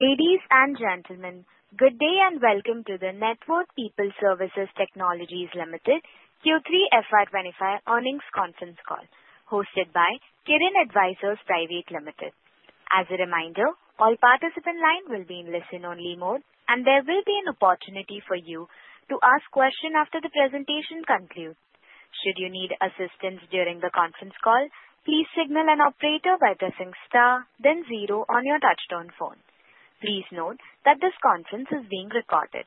Ladies and gentlemen, good day and welcome to the Network People Services Technologies Limited FY 2025 Earnings Conference Call, hosted by Kirin Advisors Private Limited. As a reminder, all participants' lines will be in listen-only mode, and there will be an opportunity for you to ask a question after the presentation concludes. Should you need assistance during the conference call, please signal an operator by pressing star, then zero on your touch-tone phone. Please note that this conference is being recorded.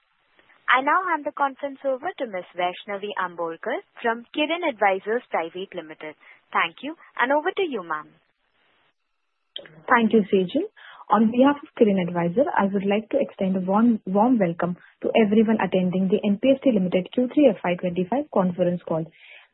I now hand the conference over to Ms. Vaishnavi Ambolkar from Kirin Advisors Private Limited. Thank you, and over to you, ma'am. Thank you, Sejal. On behalf of Kirin Advisors, I would like to extend a warm welcome to everyone attending the NPST Limited FY 2025 conference call.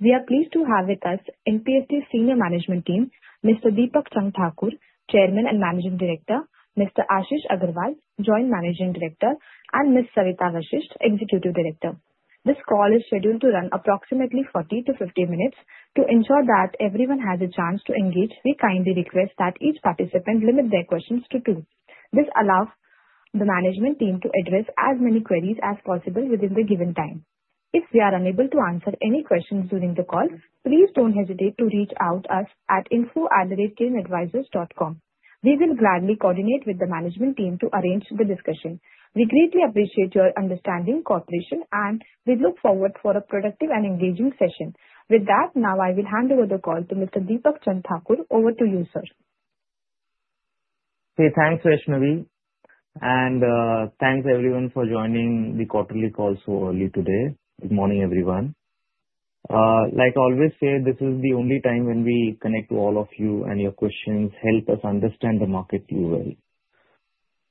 We are pleased to have with us NPST's senior management team, Mr. Deepak Chand Thakur, Chairman and Managing Director, Mr. Ashish Aggarwal, Joint Managing Director, and Ms. Savita Vashist, Executive Director. This call is scheduled to run approximately 40 to 50 minutes. To ensure that everyone has a chance to engage, we kindly request that each participant limit their questions to two. This allows the management team to address as many queries as possible within the given time. If we are unable to answer any questions during the call, please don't hesitate to reach out to us at info@kirinadvisors.com. We will gladly coordinate with the management team to arrange the discussion. We greatly appreciate your understanding, cooperation, and we look forward to a productive and engaging session. With that, now I will hand over the call to Mr. Deepak Chand Thakur. Over to you, sir. Okay, thanks, Vaishnavi and thanks, everyone, for joining the quarterly call so early today. Good morning, everyone. Like I always say, this is the only time when we connect to all of you, and your questions help us understand the market. You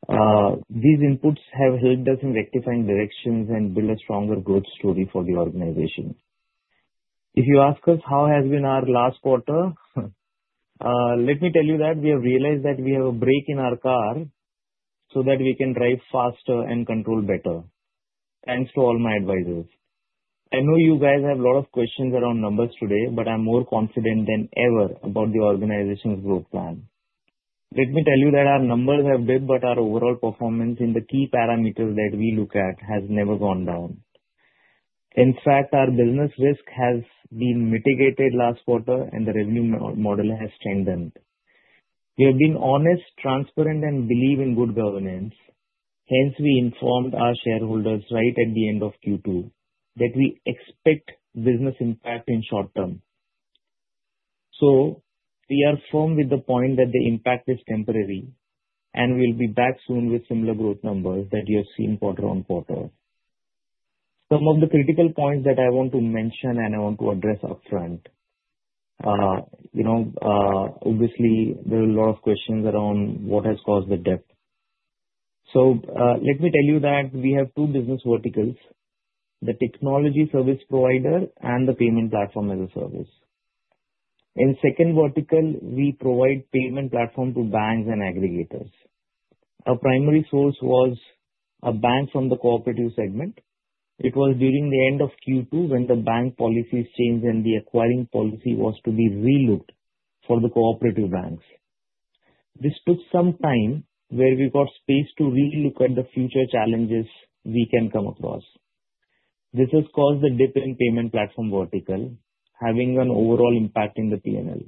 will. These inputs have helped us in rectifying directions and build a stronger growth story for the organization. If you ask us, "How has been our last quarter?" let me tell you that we have realized that we have a brake in our car so that we can drive faster and control better. Thanks to all my advisors. I know you guys have a lot of questions around numbers today, but I'm more confident than ever about the organization's growth plan. Let me tell you that our numbers have dipped, but our overall performance in the key parameters that we look at has never gone down. In fact, our business risk has been mitigated last quarter, and the revenue model has strengthened. We have been honest, transparent, and believe in good governance. Hence, we informed our shareholders right at the end of Q2 that we expect business impact in the short term. So we are firm with the point that the impact is temporary, and we'll be back soon with similar growth numbers that you have seen quarter on quarter. Some of the critical points that I want to mention, and I want to address upfront, obviously, there are a lot of questions around what has caused the dip. So let me tell you that we have two business verticals: the technology service provider and the payment platform as a service. In the second vertical, we provide payment platform to banks and aggregators. Our primary source was a bank from the cooperative segment. It was during the end of Q2 when the bank policies changed, and the acquiring policy was to be relooked for the cooperative banks. This took some time, where we got space to relook at the future challenges we can come across. This has caused the dip in payment platform vertical, having an overall impact in the P&L.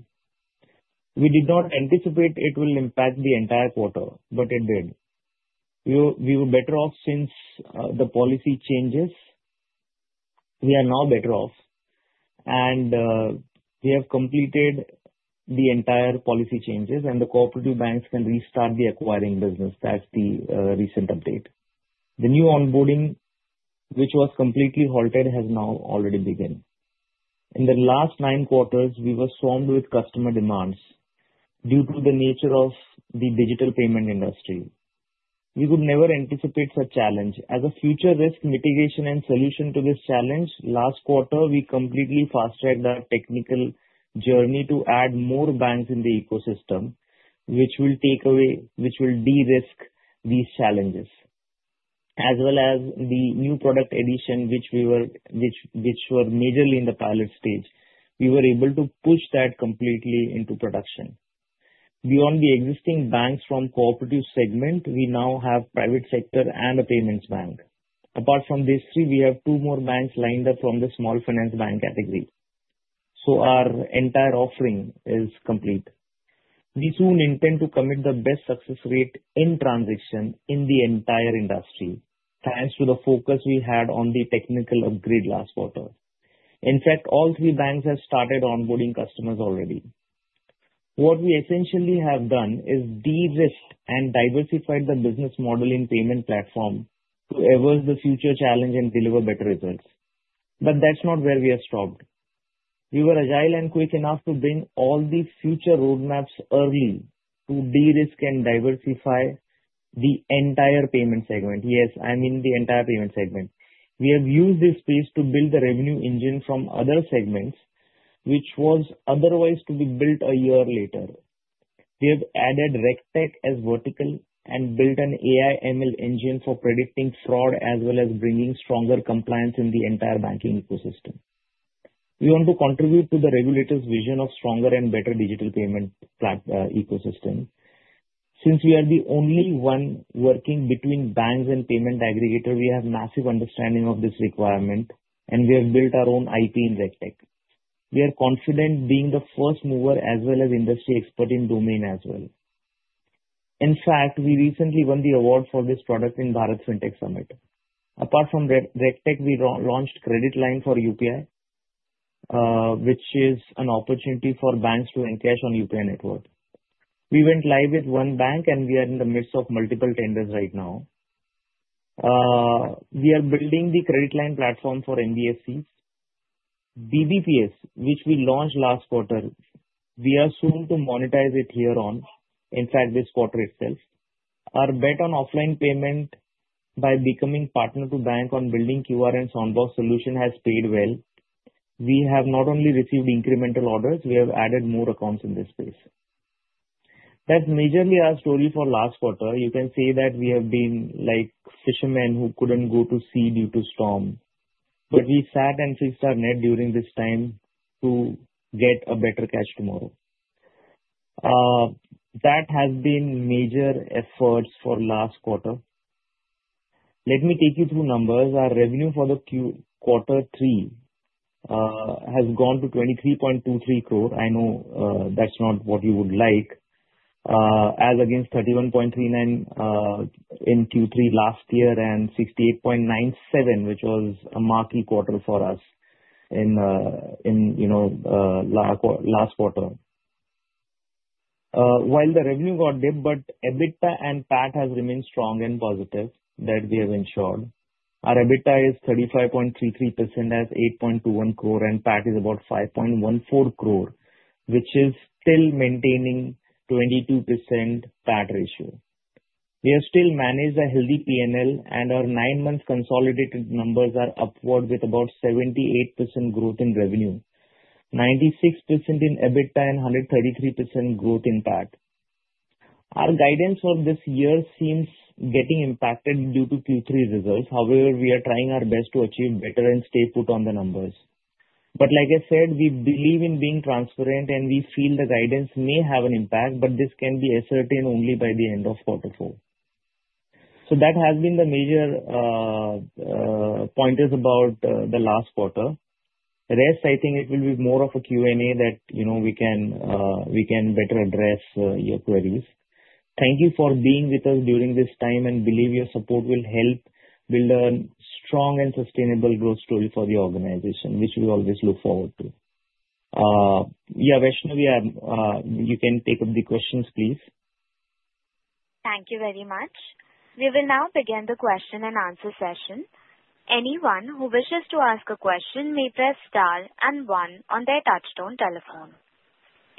We did not anticipate it will impact the entire quarter, but it did. We were better off since the policy changes. We are now better off, and we have completed the entire policy changes, and the cooperative banks can restart the acquiring business. That's the recent update. The new onboarding, which was completely halted, has now already begun. In the last nine quarters, we were swarmed with customer demands due to the nature of the digital payment industry. We could never anticipate such challenge. As a future risk mitigation and solution to this challenge, last quarter, we completely fast-tracked our technical journey to add more banks in the ecosystem, which will de-risk these challenges. As well as the new product addition, which were majorly in the pilot stage, we were able to push that completely into production. Beyond the existing banks from the cooperative segment, we now have private sector and a payments bank. Apart from these three, we have two more banks lined up from the small finance bank category, so our entire offering is complete. We soon intend to commit the best success rate in transition in the entire industry, thanks to the focus we had on the technical upgrade last quarter. In fact, all three banks have started onboarding customers already. What we essentially have done is de-risked and diversified the business model in payment platform to avoid the future challenge and deliver better results. But that's not where we have stopped. We were agile and quick enough to bring all the future roadmaps early to de-risk and diversify the entire payment segment. Yes, I mean the entire payment segment. We have used this space to build the revenue engine from other segments, which was otherwise to be built a year later. We have added RegTech as a vertical and built an AI/ML engine for predicting fraud as well as bringing stronger compliance in the entire banking ecosystem. We want to contribute to the regulator's vision of a stronger and better digital payment ecosystem. Since we are the only one working between banks and payment aggregator, we have a massive understanding of this requirement, and we have built our own IP in RegTech. We are confident being the first mover as well as industry expert in the domain as well. In fact, we recently won the award for this product in the Bharat FinTech Summit. Apart from RegTech, we launched Credit Line on UPI, which is an opportunity for banks to encash on UPI network. We went live with one bank, and we are in the midst of multiple tenders right now. We are building the Credit Line platform for NBFCs. BBPS, which we launched last quarter, we are soon to monetize it hereon, in fact, this quarter itself. Our bet on offline payment by becoming partner to bank on building QR and Soundbox solution has paid well. We have not only received incremental orders. We have added more accounts in this space. That's majorly our story for last quarter. You can say that we have been like fishermen who couldn't go to sea due to storm, but we sat and fished our net during this time to get a better catch tomorrow. That has been major efforts for last quarter. Let me take you through numbers. Our revenue for the Q3 has gone to 23.23. I know that's not what you would like, as against 31.39 in Q3 last year and 68.97, which was a marquee quarter for us in last quarter. While the revenue got dipped, EBITDA and PAT have remained strong and positive, that we have ensured. Our EBITDA is 35.33% at 8.21, and PAT is about 5.14, which is still maintaining a 22% PAT ratio. We have still managed a healthy P&L, and our nine-month consolidated numbers are upward with about 78% growth in revenue, 96% in EBITDA, and 133% growth in PAT. Our guidance for this year seems getting impacted due to Q3 results. However, we are trying our best to achieve better and stay put on the numbers. But like I said, we believe in being transparent, and we feel the guidance may have an impact, but this can be ascertained only by the end of quarter four. So that has been the major pointers about the last quarter. Rest, I think it will be more of a Q&A that we can better address your queries. Thank you for being with us during this time, and I believe your support will help build a strong and sustainable growth story for the organization, which we always look forward to. Yeah, Vaishnavi, you can take up the questions, please. Thank you very much. We will now begin the question and answer session. Anyone who wishes to ask a question may press star and one on their touch-tone telephone.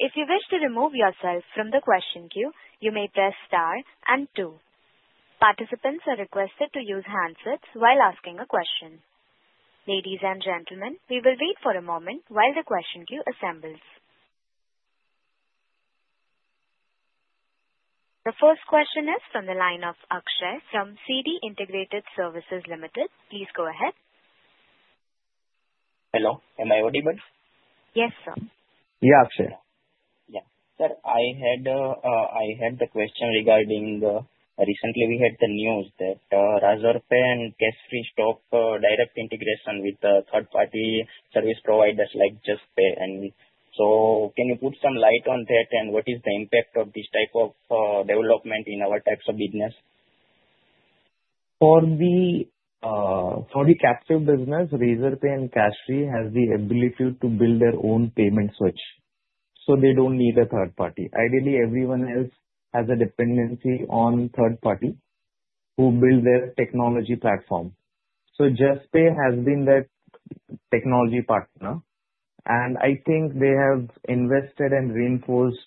If you wish to remove yourself from the question queue, you may press star and two. Participants are requested to use handsets while asking a question. Ladies and gentlemen, we will wait for a moment while the question queue assembles. The first question is from the line of Akshay from C D Integrated Services Limited. Please go ahead. Hello. Am I audible? Yes, sir. Yeah, Akshay. Yeah. Sir, I had the question regarding recently we had the news that Razorpay and Cashfree's direct integration with third-party service providers like Juspay. And so can you put some light on that, and what is the impact of this type of development in our types of business? For the captive business, Razorpay and Cashfree have the ability to build their own payment switch, so they don't need a third party. Ideally, everyone else has a dependency on third parties who build their technology platform. So Juspay has been that technology partner, and I think they have invested and reinforced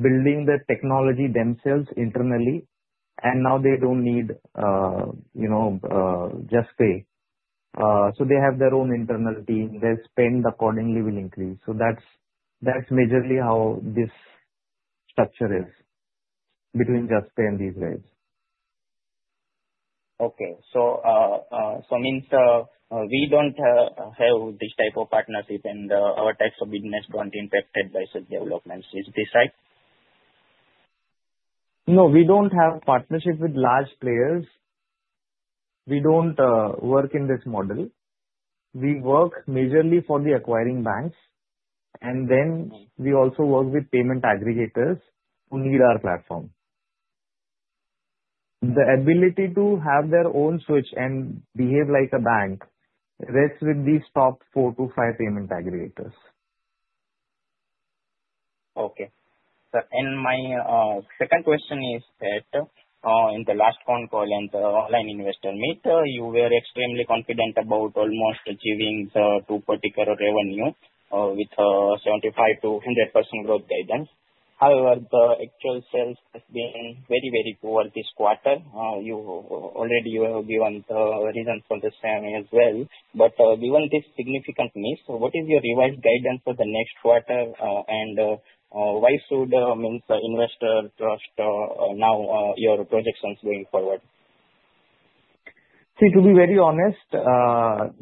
building the technology themselves internally, and now they don't need Juspay. So they have their own internal team. Their spend accordingly will increase. So that's majorly how this structure is between Juspay and these guys. Okay. So it means we don't have this type of partnership, and our types of business aren't impacted by such developments. Is this right? No, we don't have partnership with large players. We don't work in this model. We work majorly for the acquiring banks, and then we also work with payment aggregators who need our platform. The ability to have their own switch and behave like a bank rests with these top four-to-five payment aggregators. Okay. And my second question is that in the last phone call and the online investor meet, you were extremely confident about almost achieving the two particular revenues with 75%-100% growth guidance. However, the actual sales have been very, very poor this quarter. Already, you have given the reasons for the same as well. But given this significant miss, what is your revised guidance for the next quarter, and why should investors trust now your projections going forward? See, to be very honest,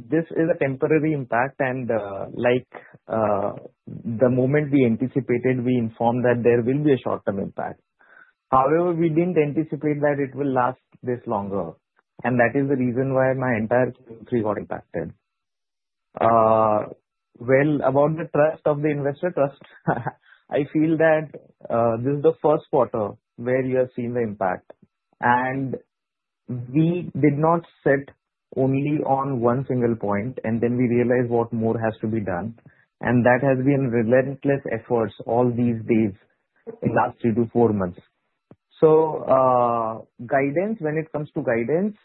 this is a temporary impact, and, like, the moment we anticipated, we informed that there will be a short-term impact. However, we didn't anticipate that it will last this longer, and that is the reason why my entire Q3 got impacted, well, about the trust of the investor trust. I feel that this is the first quarter where you have seen the impact, and we did not set only on one single point, and then we realized what more has to be done, and that has been relentless efforts all these days, the last three to four months, so, when it comes to guidance,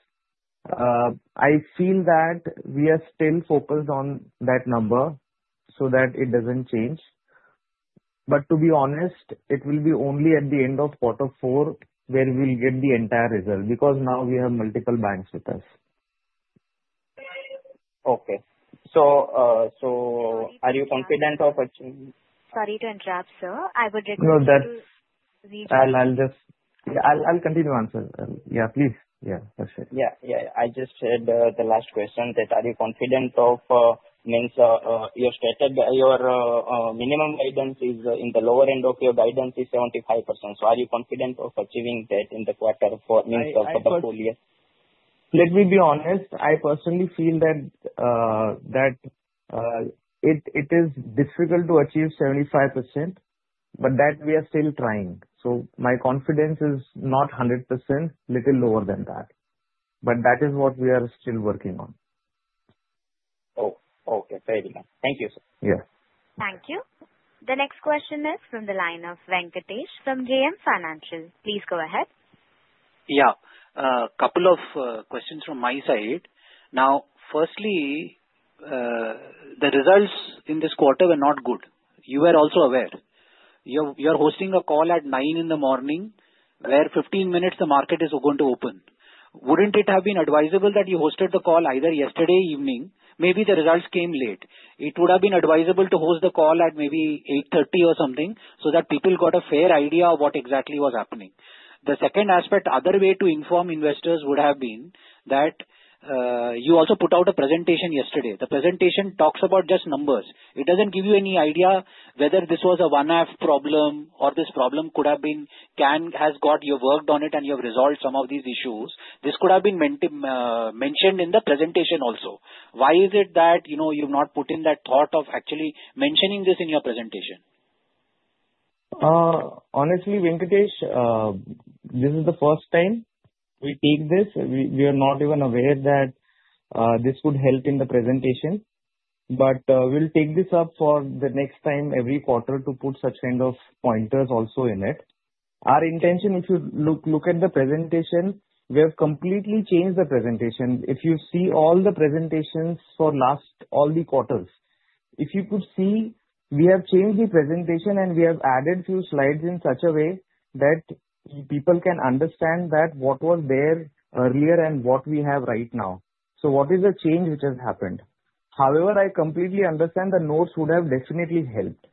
I feel that we are still focused on that number so that it doesn't change. But to be honest, it will be only at the end of quarter four where we'll get the entire result because now we have multiple banks with us. Okay, so are you confident of? Sorry to interrupt, sir. I would request to reach out. I'll continue to answer. Yeah, please. Yeah, for sure. Yeah, yeah. I just had the last question that are you confident of your minimum guidance is in the lower end of your guidance is 75%. So are you confident of achieving that in the quarter four means for the full year? Let me be honest. I personally feel that it is difficult to achieve 75%, but that we are still trying. So my confidence is not 100%, a little lower than that. But that is what we are still working on. Oh, okay. Very good. Thank you, sir. Yeah. Thank you. The next question is from the line of Venkatesh from JM Financial. Please go ahead. Yeah. A couple of questions from my side. Now, firstly, the results in this quarter were not good. You were also aware. You are hosting a call at 9:00 A.M. where 15 minutes the market is going to open. Wouldn't it have been advisable that you hosted the call either yesterday evening? Maybe the results came late. It would have been advisable to host the call at maybe 8:30 A.M. or something so that people got a fair idea of what exactly was happening. The second aspect, other way to inform investors would have been that you also put out a presentation yesterday. The presentation talks about just numbers. It doesn't give you any idea whether this was a one-off problem or this problem could have been has got you worked on it and you have resolved some of these issues. This could have been mentioned in the presentation also. Why is it that you've not put in that thought of actually mentioning this in your presentation? Honestly, Venkatesh, this is the first time we take this. We are not even aware that this would help in the presentation, but we'll take this up for the next time every quarter to put such kind of pointers also in it. Our intention, if you look at the presentation, we have completely changed the presentation. If you see all the presentations for all the quarters, if you could see, we have changed the presentation and we have added a few slides in such a way that people can understand what was there earlier and what we have right now. So what is the change which has happened? However, I completely understand the notes would have definitely helped,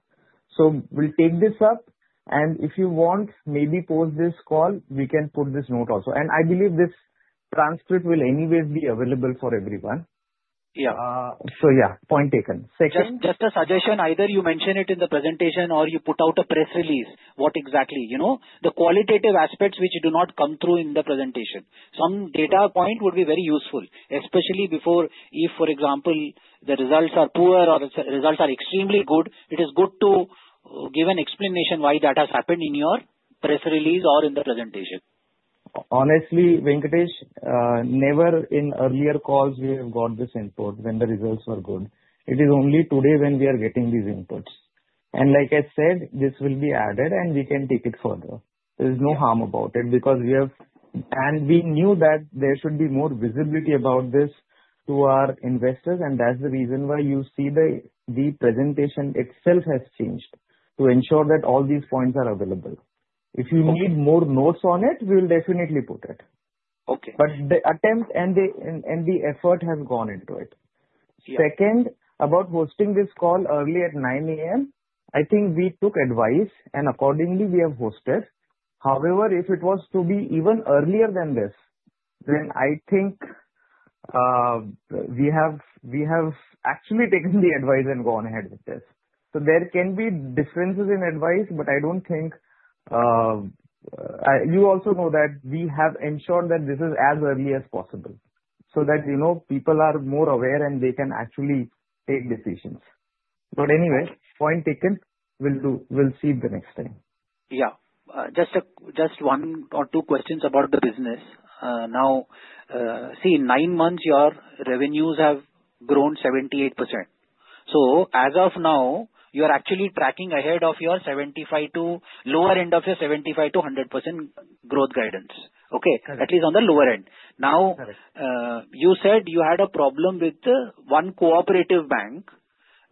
so we'll take this up, and if you want, maybe post this call, we can put this note also, and I believe this transcript will anyway be available for everyone. So yeah, point taken. Just a suggestion. Either you mention it in the presentation or you put out a press release, what exactly? The qualitative aspects which do not come through in the presentation. Some data point would be very useful, especially before, if for example, the results are poor or the results are extremely good, it is good to give an explanation why that has happened in your press release or in the presentation. Honestly, Venkatesh, never in earlier calls we have got this input when the results were good. It is only today when we are getting these inputs. And like I said, this will be added and we can take it further. There is no harm about it because we have and we knew that there should be more visibility about this to our investors, and that's the reason why you see the presentation itself has changed to ensure that all these points are available. If you need more notes on it, we'll definitely put it. But the attempt and the effort have gone into it. Second, about hosting this call early at 9:00 A.M., I think we took advice and accordingly we have hosted. However, if it was to be even earlier than this, then I think we have actually taken the advice and gone ahead with this. So there can be differences in advice, but I don't think you also know that we have ensured that this is as early as possible so that people are more aware and they can actually take decisions. But anyway, point taken. We'll see the next time. Yeah. Just one or two questions about the business. Now, see, in nine months, your revenues have grown 78%. So as of now, you are actually tracking ahead of your 75% to lower end of your 75% to 100% growth guidance, okay? At least on the lower end. Now, you said you had a problem with one cooperative bank,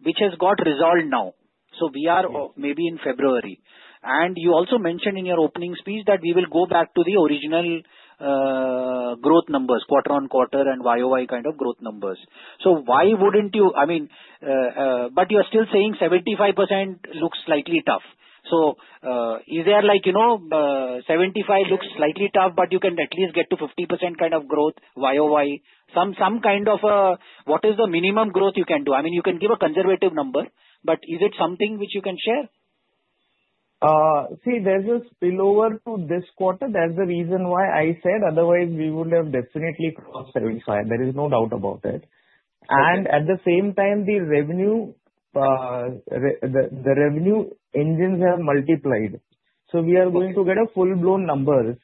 which has got resolved now. So we are maybe in February. And you also mentioned in your opening speech that we will go back to the original growth numbers, quarter on quarter and YoY kind of growth numbers. So why wouldn't you? I mean, but you are still saying 75% looks slightly tough. So is there like 75% looks slightly tough, but you can at least get to 50% kind of growth, YoY? Some kind of what is the minimum growth you can do? I mean, you can give a conservative number, but is it something which you can share? See, there's a spillover to this quarter. That's the reason why I said otherwise we would have definitely crossed 75. There is no doubt about it. And at the same time, the revenueengines have multiplied. So we are going to get full-blown numbers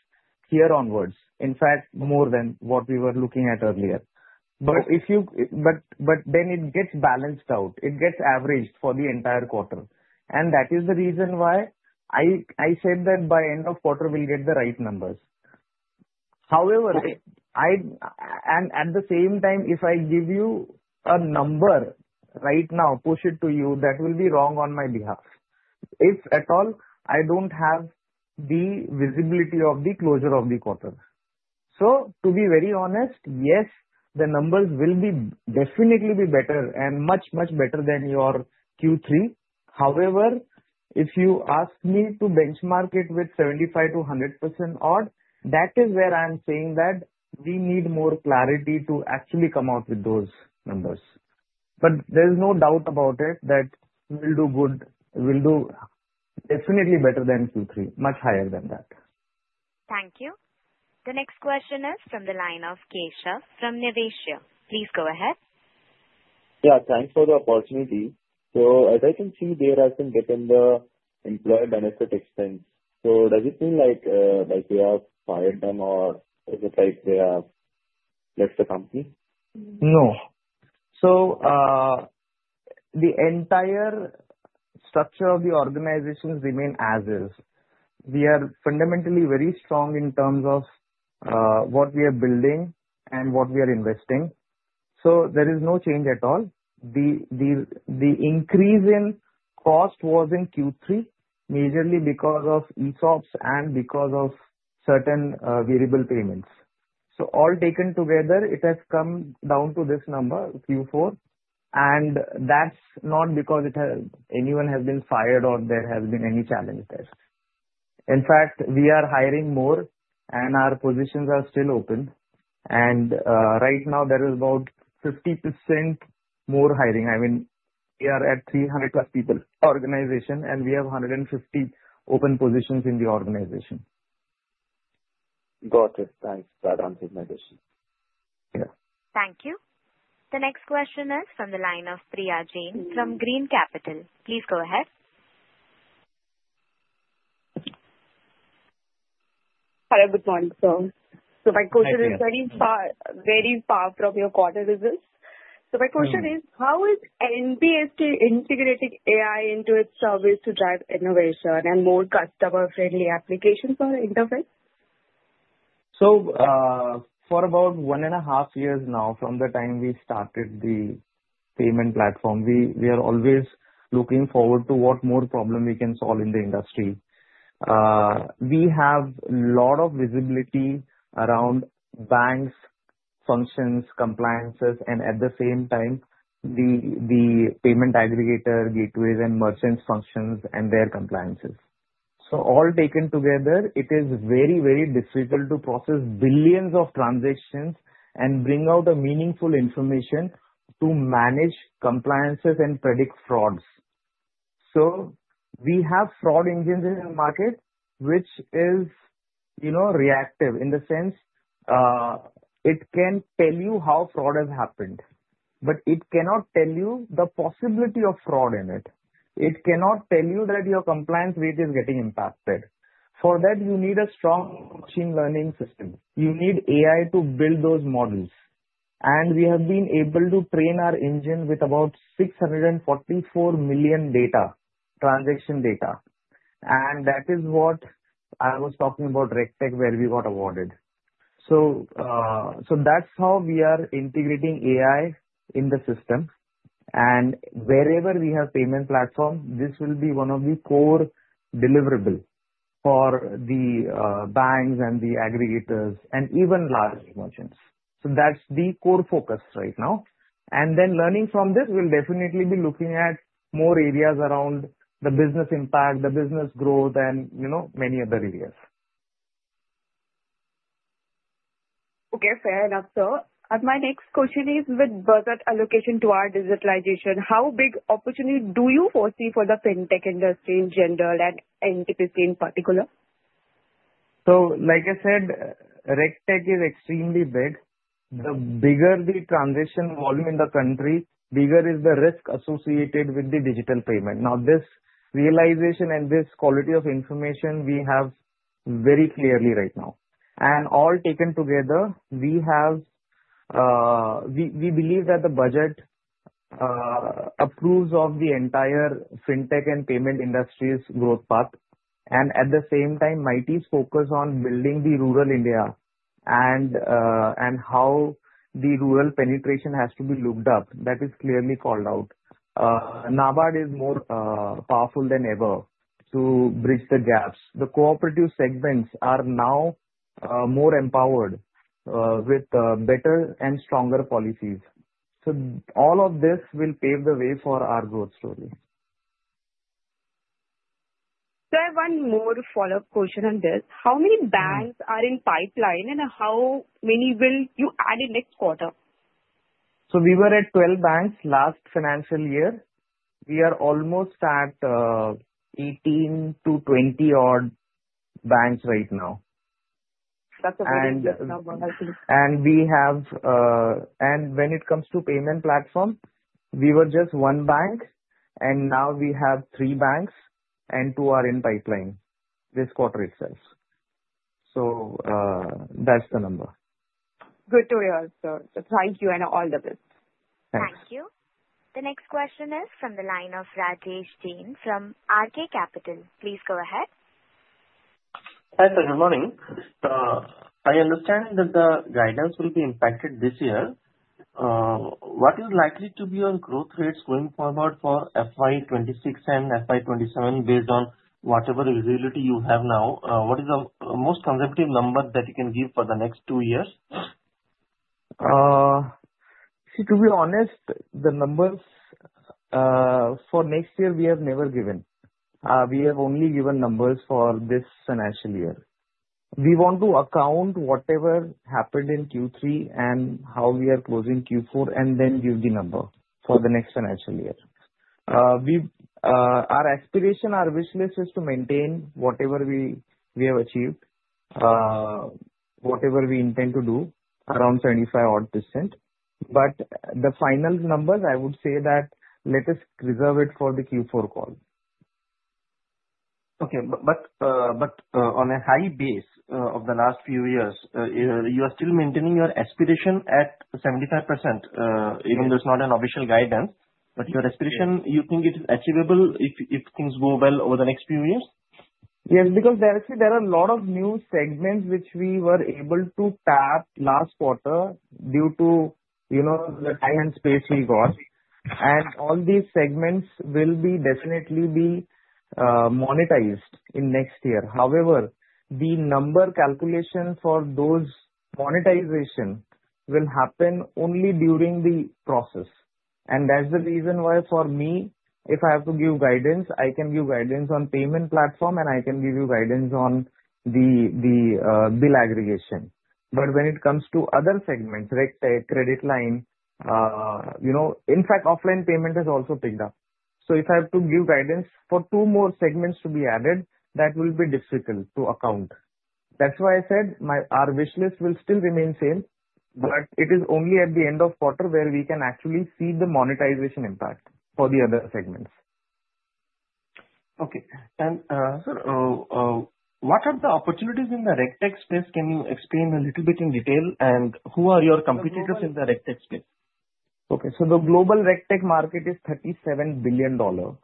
here onwards, in fact, more than what we were looking at earlier. But then it gets balanced out. It gets averaged for the entire quarter. And that is the reason why I said that by end of quarter, we'll get the right numbers. However, and at the same time, if I give you a number right now, push it to you, that will be wrong on my behalf. If at all, I don't have the visibility of the closure of the quarter. So to be very honest, yes, the numbers will definitely be better and much, much better than your Q3. However, if you ask me to benchmark it with 75%-100% odd, that is where I'm saying that we need more clarity to actually come out with those numbers. But there is no doubt about it that we'll do good. We'll do definitely better than Q3, much higher than that. Thank you. The next question is from the line of Keshav from Niveshaay. Please go ahead. Yeah. Thanks for the opportunity. So as I can see, they have been given the employee benefit expense. So does it mean like they have fired them or is it like they have left the company? No. So the entire structure of the organization remains as is. We are fundamentally very strong in terms of what we are building and what we are investing. So there is no change at all. The increase in cost was in Q3 majorly because of ESOPs and because of certain variable payments. So all taken together, it has come down to this number, Q4. And that's not because anyone has been fired or there has been any challenge there. In fact, we are hiring more and our positions are still open. And right now, there is about 50% more hiring. I mean, we are at 300+ people. Organization, and we have 150 open positions in the organization. Got it. Thanks for that answer. Yeah. Thank you. The next question is from the line of Priya Jain from Green Capital. Please go ahead. Hello. Good morning, sir. My question is very far from your quarter results. My question is, how is NPST integrating AI into its service to drive innovation and more customer-friendly applications or interface? For about one and a half years now, from the time we started the payment platform, we are always looking forward to what more problem we can solve in the industry. We have a lot of visibility around banks, functions, compliances, and at the same time, the payment aggregator, gateways, and merchants' functions and their compliances. So all taken together, it is very, very difficult to process billions of transactions and bring out a meaningful information to manage compliances and predict frauds. So we have fraud engines in the market, which is reactive in the sense it can tell you how fraud has happened, but it cannot tell you the possibility of fraud in it. It cannot tell you that your compliance rate is getting impacted. For that, you need a strong machine learning system. You need AI to build those models. We have been able to train our engine with about 644 million transaction data. That is what I was talking about, RegTech, where we got awarded. That's how we are integrating AI in the system. Wherever we have payment platform, this will be one of the core deliverables for the banks and the aggregators and even large merchants. That's the core focus right now. Learning from this, we'll definitely be looking at more areas around the business impact, the business growth, and many other areas. Okay. Fair enough, sir. My next question is with budget allocation to our digitalization. How big opportunity do you foresee for the FinTech industry in general and NPST in particular? So like I said, RegTech is extremely big. The bigger the transaction volume in the country, bigger is the risk associated with the digital payment. Now, this realization and this quality of information we have very clearly right now. And all taken together, we believe that the budget approves of the entire FinTech and payment industry's growth path. And at the same time, MeitY's focus on building the rural India and how the rural penetration has to be looked up. That is clearly called out. NABARD is more powerful than ever to bridge the gaps. The cooperative segments are now more empowered with better and stronger policies. So all of this will pave the way for our growth story. So I have one more follow-up question on this. How many banks are in pipeline and how many will you add in next quarter? So we were at 12 banks last financial year. We are almost at 18 to 20 odd banks right now. That's a very good number. We have, and when it comes to payment platform, we were just one bank, and now we have three banks, and two are in pipeline this quarter itself. So that's the number. Good to hear, sir. Thank you and all the best. Thanks. Thank you. The next question is from the line of Rajesh Jain from RK Capital. Please go ahead. Hi sir, good morning. I understand that the guidance will be impacted this year. What is likely to be your growth rates going forward FY 2027 based on whatever visibility you have now? What is the most conservative number that you can give for the next two years? See, to be honest, the numbers for next year, we have never given. We have only given numbers for this financial year. We want to account whatever happened in Q3 and how we are closing Q4 and then give the number for the next financial year. Our aspiration, our wish list is to maintain whatever we have achieved, whatever we intend to do around 75 odd %. But the final numbers, I would say that let us reserve it for the Q4 call. Okay. But on a high base of the last few years, you are still maintaining your aspiration at 75% even though it's not an official guidance. But your aspiration, you think it is achievable if things go well over the next few years? Yes, because there are a lot of new segments which we were able to tap last quarter due to the time and space we got. And all these segments will definitely be monetized in next year. However, the number calculation for those monetization will happen only during the process. And that's the reason why for me, if I have to give guidance, I can give guidance on payment platform and I can give you guidance on the bill aggregation. But when it comes to other segments, RegTech, credit line, in fact, offline payment has also picked up. So if I have to give guidance for two more segments to be added, that will be difficult to account. That's why I said our wish list will still remain same, but it is only at the end of quarter where we can actually see the monetization impact for the other segments. Okay. And sir, what are the opportunities in the RegTech space? Can you explain a little bit in detail? And who are your competitors in the RegTech space? Okay. The global RegTech market is $37 billion. The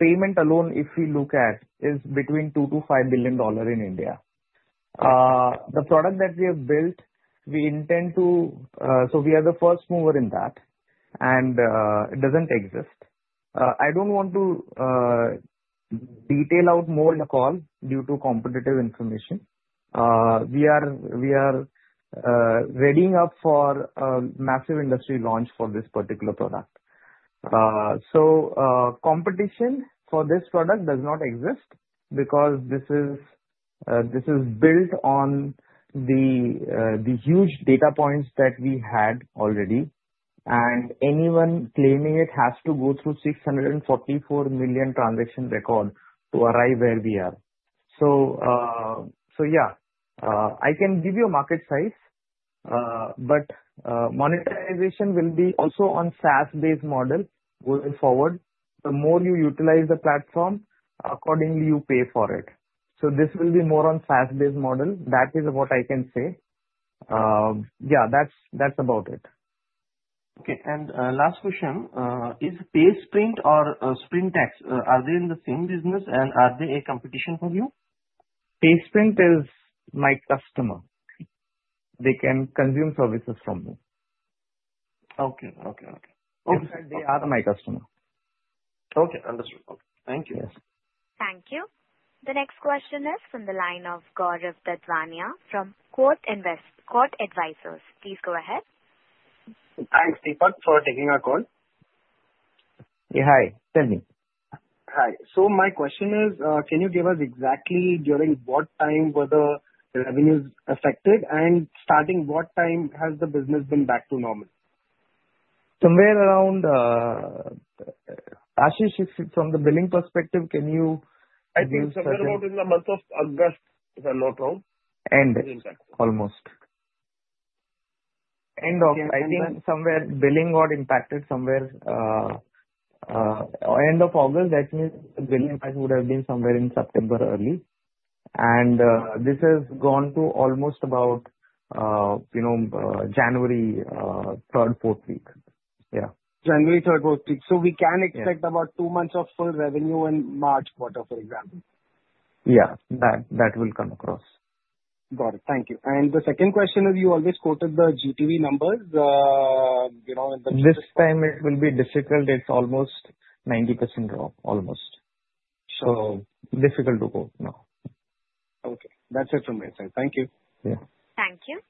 payment alone, if we look at, is between $2 billion-$5 billion in India. The product that we have built, we intend to so we are the first mover in that. It doesn't exist. I don't want to detail out more in the call due to competitive information. We are readying up for a massive industry launch for this particular product. Competition for this product does not exist because this is built on the huge data points that we had already. Anyone claiming it has to go through 644 million transaction record to arrive where we are. Yeah, I can give you a market size, but monetization will be also on SaaS-based model going forward. The more you utilize the platform, accordingly, you pay for it. This will be more on SaaS-based model. That is what I can say. Yeah, that's about it. Okay, and last question, is PaySprint or SprintNXT, are they in the same business and are they a competition for you? PaySprint is my customer. They can consume services from me. Okay. Okay. Okay. They are my customer. Okay. Understood. Okay. Thank you. Yes. Thank you. The next question is from the line of Gaurav Didwania from Qode Advisors. Please go ahead. Thanks, Deepak, for taking our call. Yeah. Hi. Tell me. Hi, so my question is, can you give us exactly during what time were the revenues affected and starting what time has the business been back to normal? Somewhere around Ashish, from the billing perspective, can you? I think somewhere about in the month of August, if I'm not wrong. End? Almost. I think somewhere billing got impacted somewhere end of August. That means the billing would have been somewhere in early September. And this has gone to almost about January third, fourth week. Yeah. January third, fourth week, so we can expect about two months of full revenue in March quarter, for example. Yeah. That will come across. Got it. Thank you. And the second question is, you always quoted the GTV numbers. This time, it will be difficult. It's almost 90% drop, almost. So difficult to quote now. Okay. That's it from my side. Thank you. Yeah. Thank you.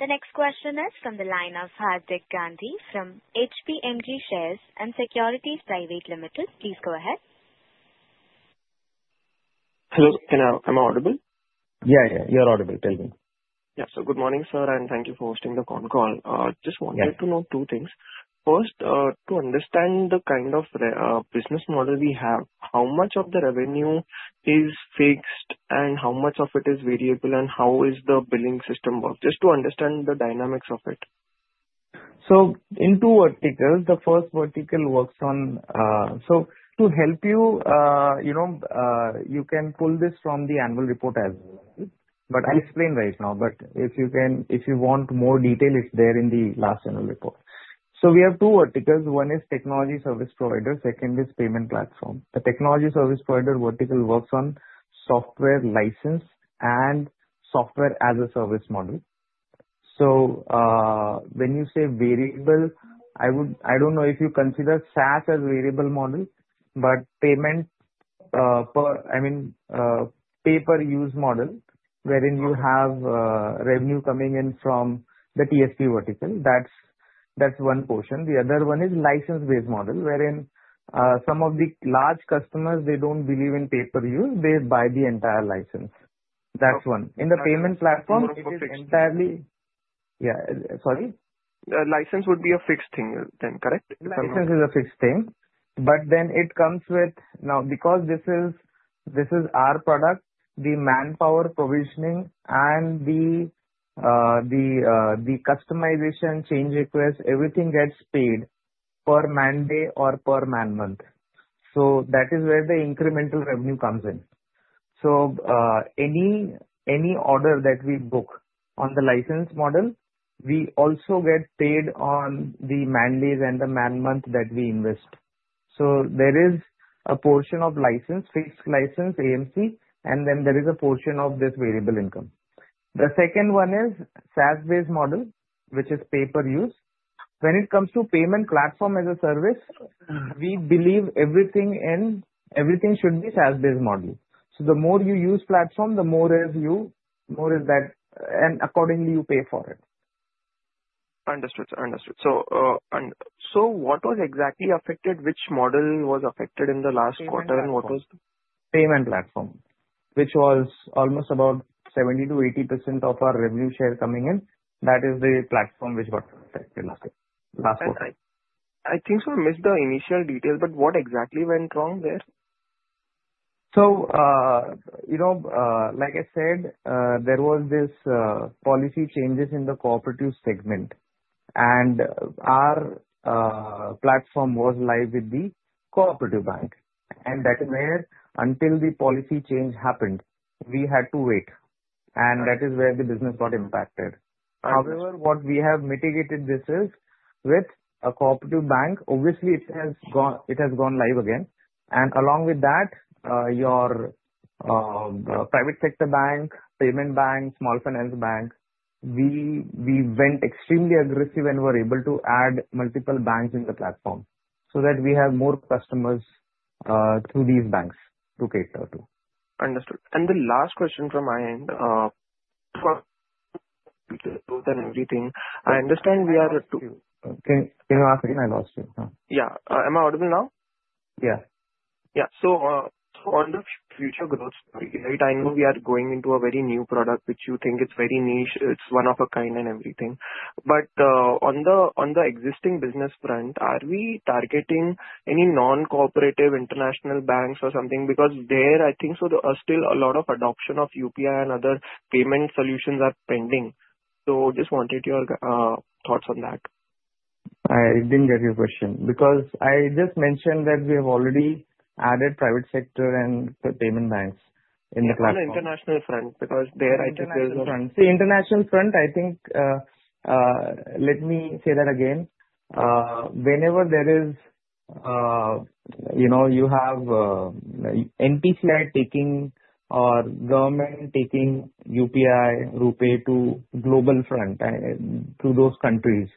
The next question is from the line of Hardik Gandhi from HPMG Shares and Securities Private Limited. Please go ahead. Hello. Can I? I'm audible? Yeah. Yeah. You're audible. Tell me. Yeah. So good morning, sir, and thank you for hosting the con call. Just wanted to note two things. First, to understand the kind of business model we have, how much of the revenue is fixed and how much of it is variable, and how is the billing system work? Just to understand the dynamics of it. So, in two verticals, the first vertical works on. So to help you, you can pull this from the annual report as well, but I'll explain right now, but if you want more detail, it's there in the last annual report, so we have two verticals. One is technology service provider. Second is payment platform. The technology service provider vertical works on software license and software as a service model, so when you say variable, I don't know if you consider SaaS as variable model, but payment, I mean, pay-per-use model wherein you have revenue coming in from the TSP vertical. That's one portion. The other one is license-based model wherein some of the large customers, they don't believe in pay-per-use. They buy the entire license. That's one. In the payment platform, it is entirely. It's a fixed thing. Yeah. Sorry? License would be a fixed thing then, correct? License is a fixed thing. But then it comes with now, because this is our product, the manpower provisioning and the customization, change request, everything gets paid per man day or per man month. So that is where the incremental revenue comes in. So any order that we book on the license model, we also get paid on the man days and the man month that we invest. So there is a portion of license, fixed license, AMC, and then there is a portion of this variable income. The second one is SaaS-based model, which is pay-per-use. When it comes to payment platform as a service, we believe everything should be SaaS-based model. So the more you use platform, the more is that, and accordingly, you pay for it. Understood. Understood. So what was exactly affected? Which model was affected in the last quarter and what was? Payment platform, which was almost about 70%-80% of our revenue share coming in. That is the platform which got affected last quarter. I think so. I missed the initial detail, but what exactly went wrong there? So, like I said, there were these policy changes in the cooperative segment, and our platform was live with the cooperative bank, and that is where until the policy change happened, we had to wait, and that is where the business got impacted. However, what we have mitigated this is with a cooperative bank. Obviously, it has gone live again, and along with that, your private sector bank, payment bank, small finance bank, we went extremely aggressive and were able to add multiple banks in the platform so that we have more customers through these banks to cater to. Understood. And the last question from my end, both and everything. I understand we are too. Can you ask again? I lost you. Yeah. Am I audible now? Yeah. Yeah. So on the future growth story, right? I know we are going into a very new product, which you think it's very niche. It's one of a kind and everything. But on the existing business front, are we targeting any non-cooperative international banks or something? Because there, I think so, there are still a lot of adoption of UPI and other payment solutions are pending. So I just wanted your thoughts on that. I didn't get your question because I just mentioned that we have already added private sector and payment banks in the platform. What about the international front? Because there, I think there's a. The international front, I think. Let me say that again. Whenever there is you have NPCI taking or government taking UPI, RuPay to global front to those countries,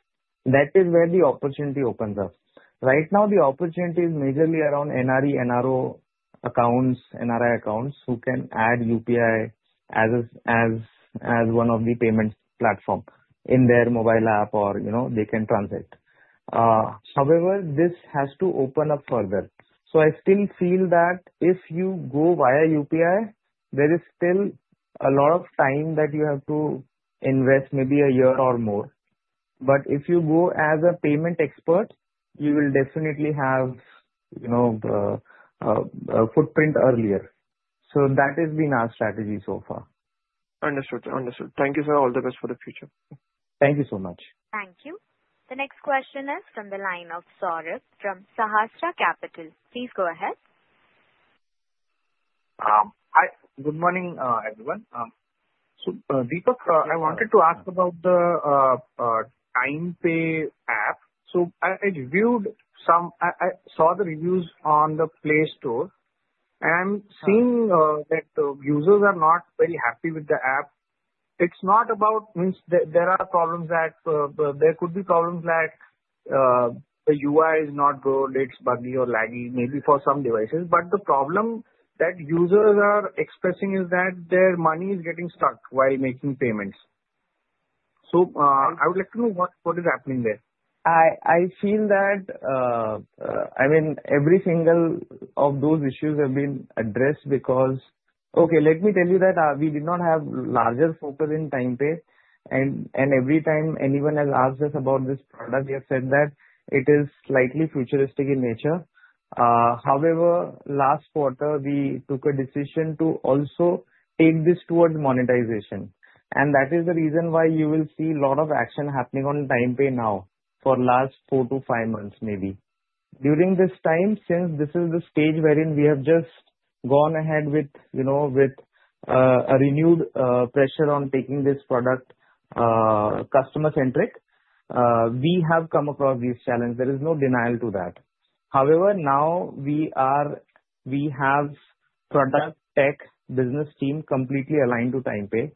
that is where the opportunity opens up. Right now, the opportunity is majorly around NRE, NRO accounts, NRI accounts who can add UPI as one of the payment platform in their mobile app or they can transact. However, this has to open up further. So I still feel that if you go via UPI, there is still a lot of time that you have to invest, maybe a year or more. But if you go as a payment expert, you will definitely have a footprint earlier. So that has been our strategy so far. Understood. Understood. Thank you, sir. All the best for the future. Thank you so much. Thank you. The next question is from the line of Saurabh from Sahasrar Capital. Please go ahead. Good morning, everyone. Deepak, I wanted to ask about the TimePay app. I saw the reviews on the Play Store, and I'm seeing that the users are not very happy with the app. It's not about there are problems that there could be problems like the UI is not good, it's buggy or laggy, maybe for some devices, but the problem that users are expressing is that their money is getting stuck while making payments, so I would like to know what is happening there. I feel that, I mean, every single of those issues have been addressed because, okay, let me tell you that we did not have larger focus in TimePay. And every time anyone has asked us about this product, we have said that it is slightly futuristic in nature. However, last quarter, we took a decision to also take this towards monetization. And that is the reason why you will see a lot of action happening on TimePay now for the last four to five months, maybe. During this time, since this is the stage wherein we have just gone ahead with a renewed pressure on taking this product customer-centric, we have come across these challenges. There is no denial to that. However, now we have product tech business team completely aligned to TimePay,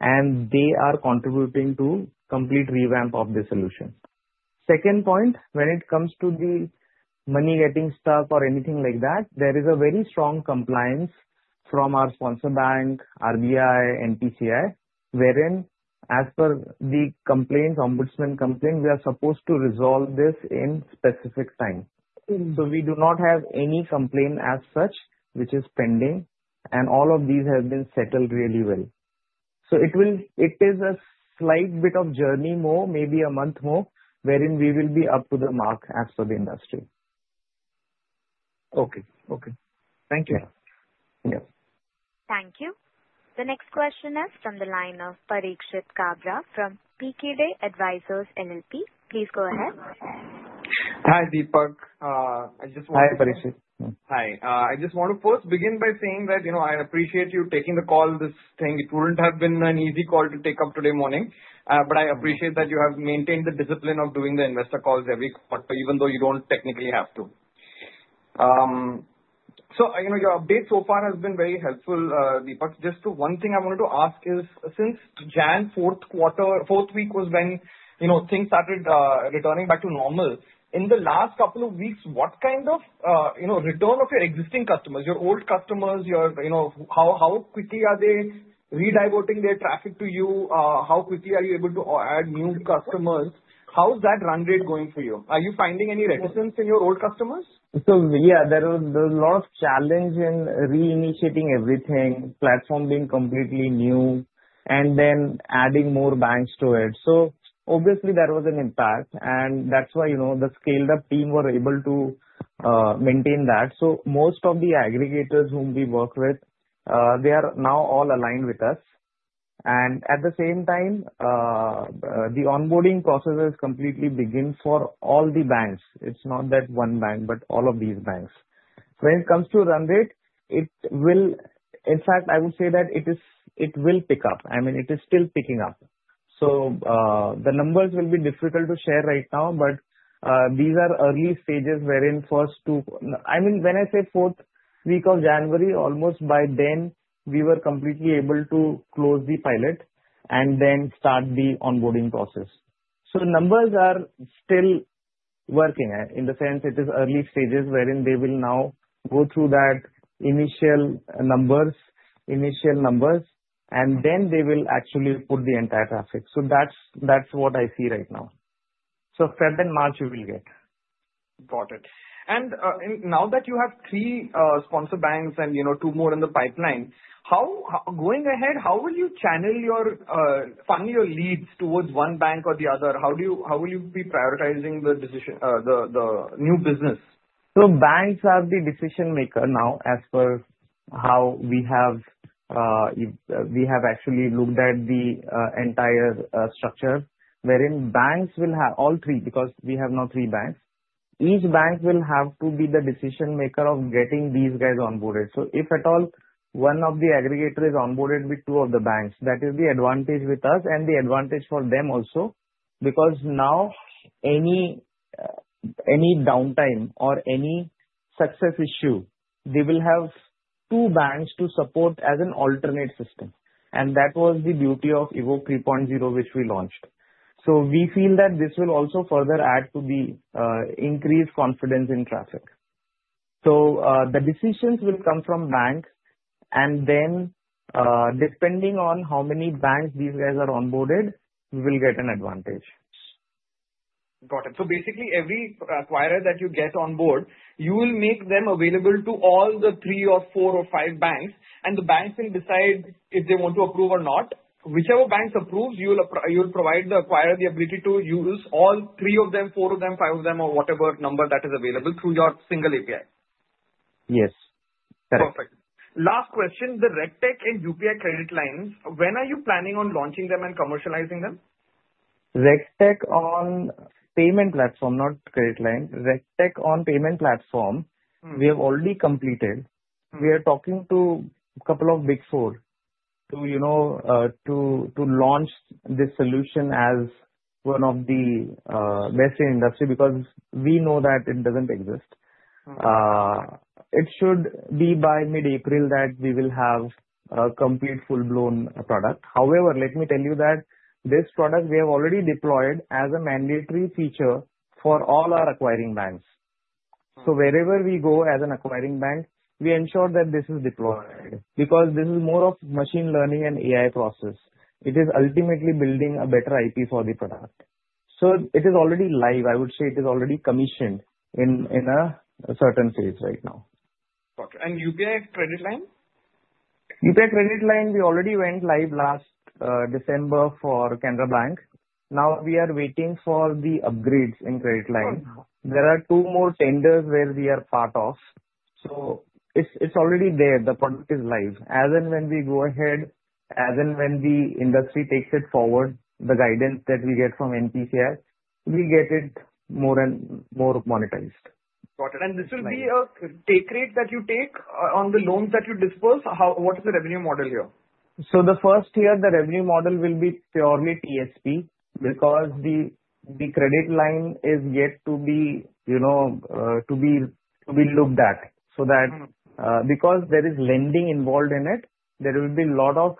and they are contributing to complete revamp of the solution. Second point, when it comes to the money getting stuck or anything like that, there is a very strong compliance from our sponsor bank, RBI, NPCI, wherein as per the Ombudsman complaint, we are supposed to resolve this in specific time. So we do not have any complaint as such, which is pending. And all of these have been settled really well. So it is a slight bit of journey more, maybe a month more, wherein we will be up to the mark as per the industry. Okay. Okay. Thank you. Yeah. Yes. Thank you. The next question is from the line of Parikshit Kabra from Pkeday Advisors LLP. Please go ahead. Hi, Deepak. I just want to. Hi, Parikshit. Hi. I just want to first begin by saying that I appreciate you taking the call. This thing, it wouldn't have been an easy call to take up today morning. But I appreciate that you have maintained the discipline of doing the investor calls every quarter, even though you don't technically have to. So your update so far has been very helpful, Deepak. Just one thing I wanted to ask is, since January fourth week was when things started returning back to normal, in the last couple of weeks, what kind of return of your existing customers, your old customers, how quickly are they re-diverting their traffic to you? How quickly are you able to add new customers? How is that run rate going for you? Are you finding any reticence in your old customers? So yeah, there was a lot of challenge in reinitiating everything, platform being completely new, and then adding more banks to it. So obviously, there was an impact. And that's why the scaled-up team were able to maintain that. So most of the aggregators whom we work with, they are now all aligned with us. And at the same time, the onboarding process has completely begun for all the banks. It's not that one bank, but all of these banks. When it comes to run rate, it will, in fact, I would say that it will pick up. I mean, it is still picking up. So the numbers will be difficult to share right now, but these are early stages wherein first to, I mean, when I say fourth week of January, almost by then, we were completely able to close the pilot and then start the onboarding process. So, numbers are still working in the sense it is early stages wherein they will now go through that initial numbers, initial numbers, and then they will actually put the entire traffic. So, that's what I see right now. So, February and March, we will get. Got it. And now that you have three sponsor banks and two more in the pipeline, going ahead, how will you channel your funnel, your leads towards one bank or the other? How will you be prioritizing the new business? So banks are the decision maker now as per how we have actually looked at the entire structure wherein banks will have all three because we have now three banks. Each bank will have to be the decision maker of getting these guys onboarded. So if at all one of the aggregators is onboarded with two of the banks, that is the advantage with us and the advantage for them also because now any downtime or any service issue, they will have two banks to support as an alternate system. And that was the beauty of Evok 3.0, which we launched. So we feel that this will also further add to the increased confidence in traffic. So the decisions will come from banks. And then depending on how many banks these guys are onboarded, we will get an advantage. Got it. So basically, every acquirer that you get on board, you will make them available to all the three or four or five banks. And the banks can decide if they want to approve or not. Whichever banks approves, you'll provide the acquirer the ability to use all three of them, four of them, five of them, or whatever number that is available through your single API. Yes. Correct. Perfect. Last question. The RegTech and UPI credit lines, when are you planning on launching them and commercializing them? RegTech on payment platform, not credit line. RegTech on payment platform, we have already completed. We are talking to a couple of Big Four to launch this solution as one of the best in industry because we know that it doesn't exist. It should be by mid-April that we will have a complete full-blown product. However, let me tell you that this product, we have already deployed as a mandatory feature for all our acquiring banks. So wherever we go as an acquiring bank, we ensure that this is deployed because this is more of machine learning and AI process. It is ultimately building a better IP for the product. So it is already live. I would say it is already commissioned in a certain phase right now. Got it. And UPI credit line? UPI credit line, we already went live last December for Canara Bank. Now we are waiting for the upgrades in credit line. There are two more tenders where we are part of. So it's already there. The product is live. As in when we go ahead, as in when the industry takes it forward, the guidance that we get from NPCI, we get it more and more monetized. Got it. And this will be a take rate that you take on the loans that you dispose? What is the revenue model here? So the first year, the revenue model will be purely TSP because the credit line is yet to be looked at. So that's because there is lending involved in it, there will be a lot of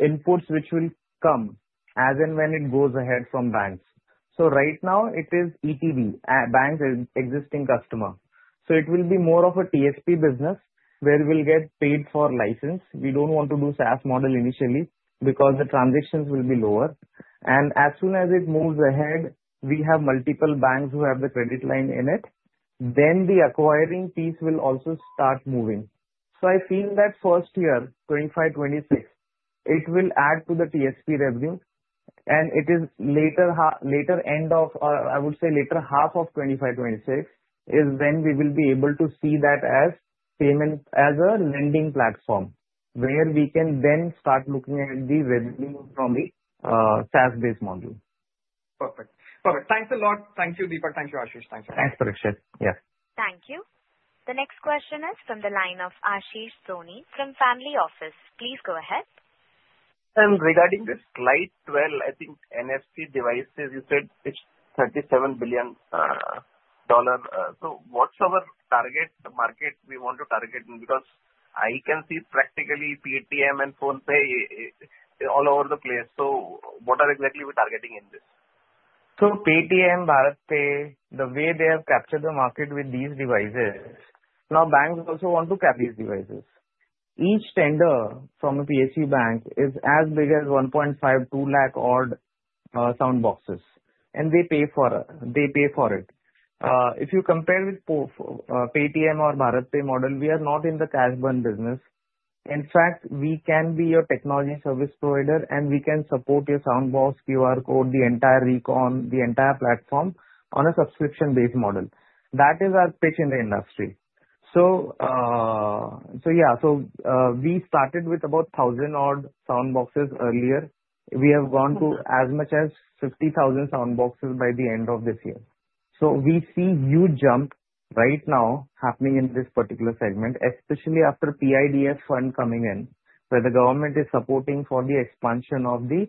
inputs which will come as and when it goes ahead from banks. So right now, it is ETB, bank existing customer. So it will be more of a TSP business where we'll get paid for license. We don't want to do SaaS model initially because the transactions will be lower. And as soon as it moves ahead, we have multiple banks who have the credit line in it. Then the acquiring piece will also start moving. So I feel that first year, 2025, 2026, it will add to the TSP revenue. It is the latter end of, I would say, the latter half of 2025, 2026 is when we will be able to see that as a lending platform where we can then start looking at the revenue from the SaaS-based module. Perfect. Perfect. Thanks a lot. Thank you, Deepak. Thank you, Ashish. Thanks a lot. Thanks, Parikshit. Yeah. Thank you. The next question is from the line of Ashish Soni from Family Office. Please go ahead. And regarding this slide, well, I think NFC devices, you said it's $37 billion. So what's our target market we want to target? Because I can see practically Paytm and PhonePe all over the place. So what are exactly we targeting in this? Paytm, BharatPe, the way they have captured the market with these devices. Now banks also want to capture these devices. Each tender from a PSU bank is as big as 1.5-2 lakh-odd sound boxes. And they pay for it. If you compare with Paytm or BharatPe model, we are not in the cash burn business. In fact, we can be your technology service provider, and we can support your sound box, QR code, the entire recon, the entire platform on a subscription-based model. That is our pitch in the industry. Yeah, we started with about 1,000-odd sound boxes earlier. We have gone to as much as 50,000 sound boxes by the end of this year. So we see huge jump right now happening in this particular segment, especially after PIDF fund coming in, where the government is supporting for the expansion of the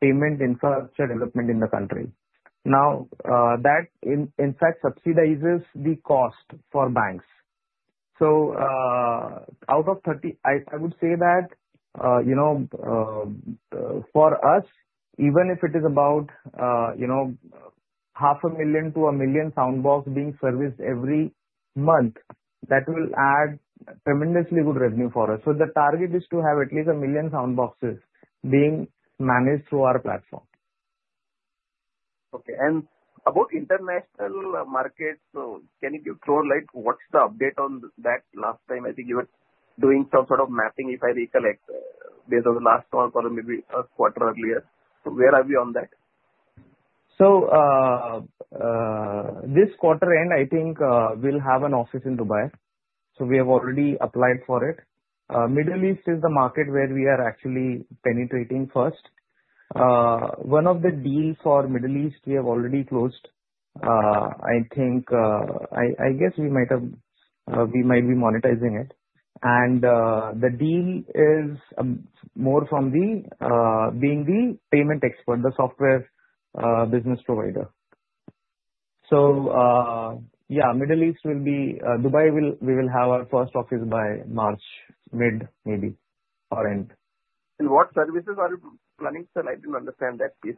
payment infrastructure development in the country. Now that, in fact, subsidizes the cost for banks. So out of 30, I would say that for us, even if it is about 500,000 to 1 million soundboxes being serviced every month, that will add tremendously good revenue for us. So the target is to have at least 1 million soundboxes being managed through our platform. Okay. And about international markets, can you throw light? What's the update on that? Last time, I think you were doing some sort of mapping, if I recollect, based on the last talk or maybe a quarter earlier. So where are we on that? So this quarter end, I think we'll have an office in Dubai. So we have already applied for it. Middle East is the market where we are actually penetrating first. One of the deals for Middle East, we have already closed. I think I guess we might be monetizing it. And the deal is more from being the payment expert, the software business provider. So yeah, Middle East will be Dubai, we will have our first office by March, mid-March maybe or end. And what services are you planning to sell? I didn't understand that piece clearly. So these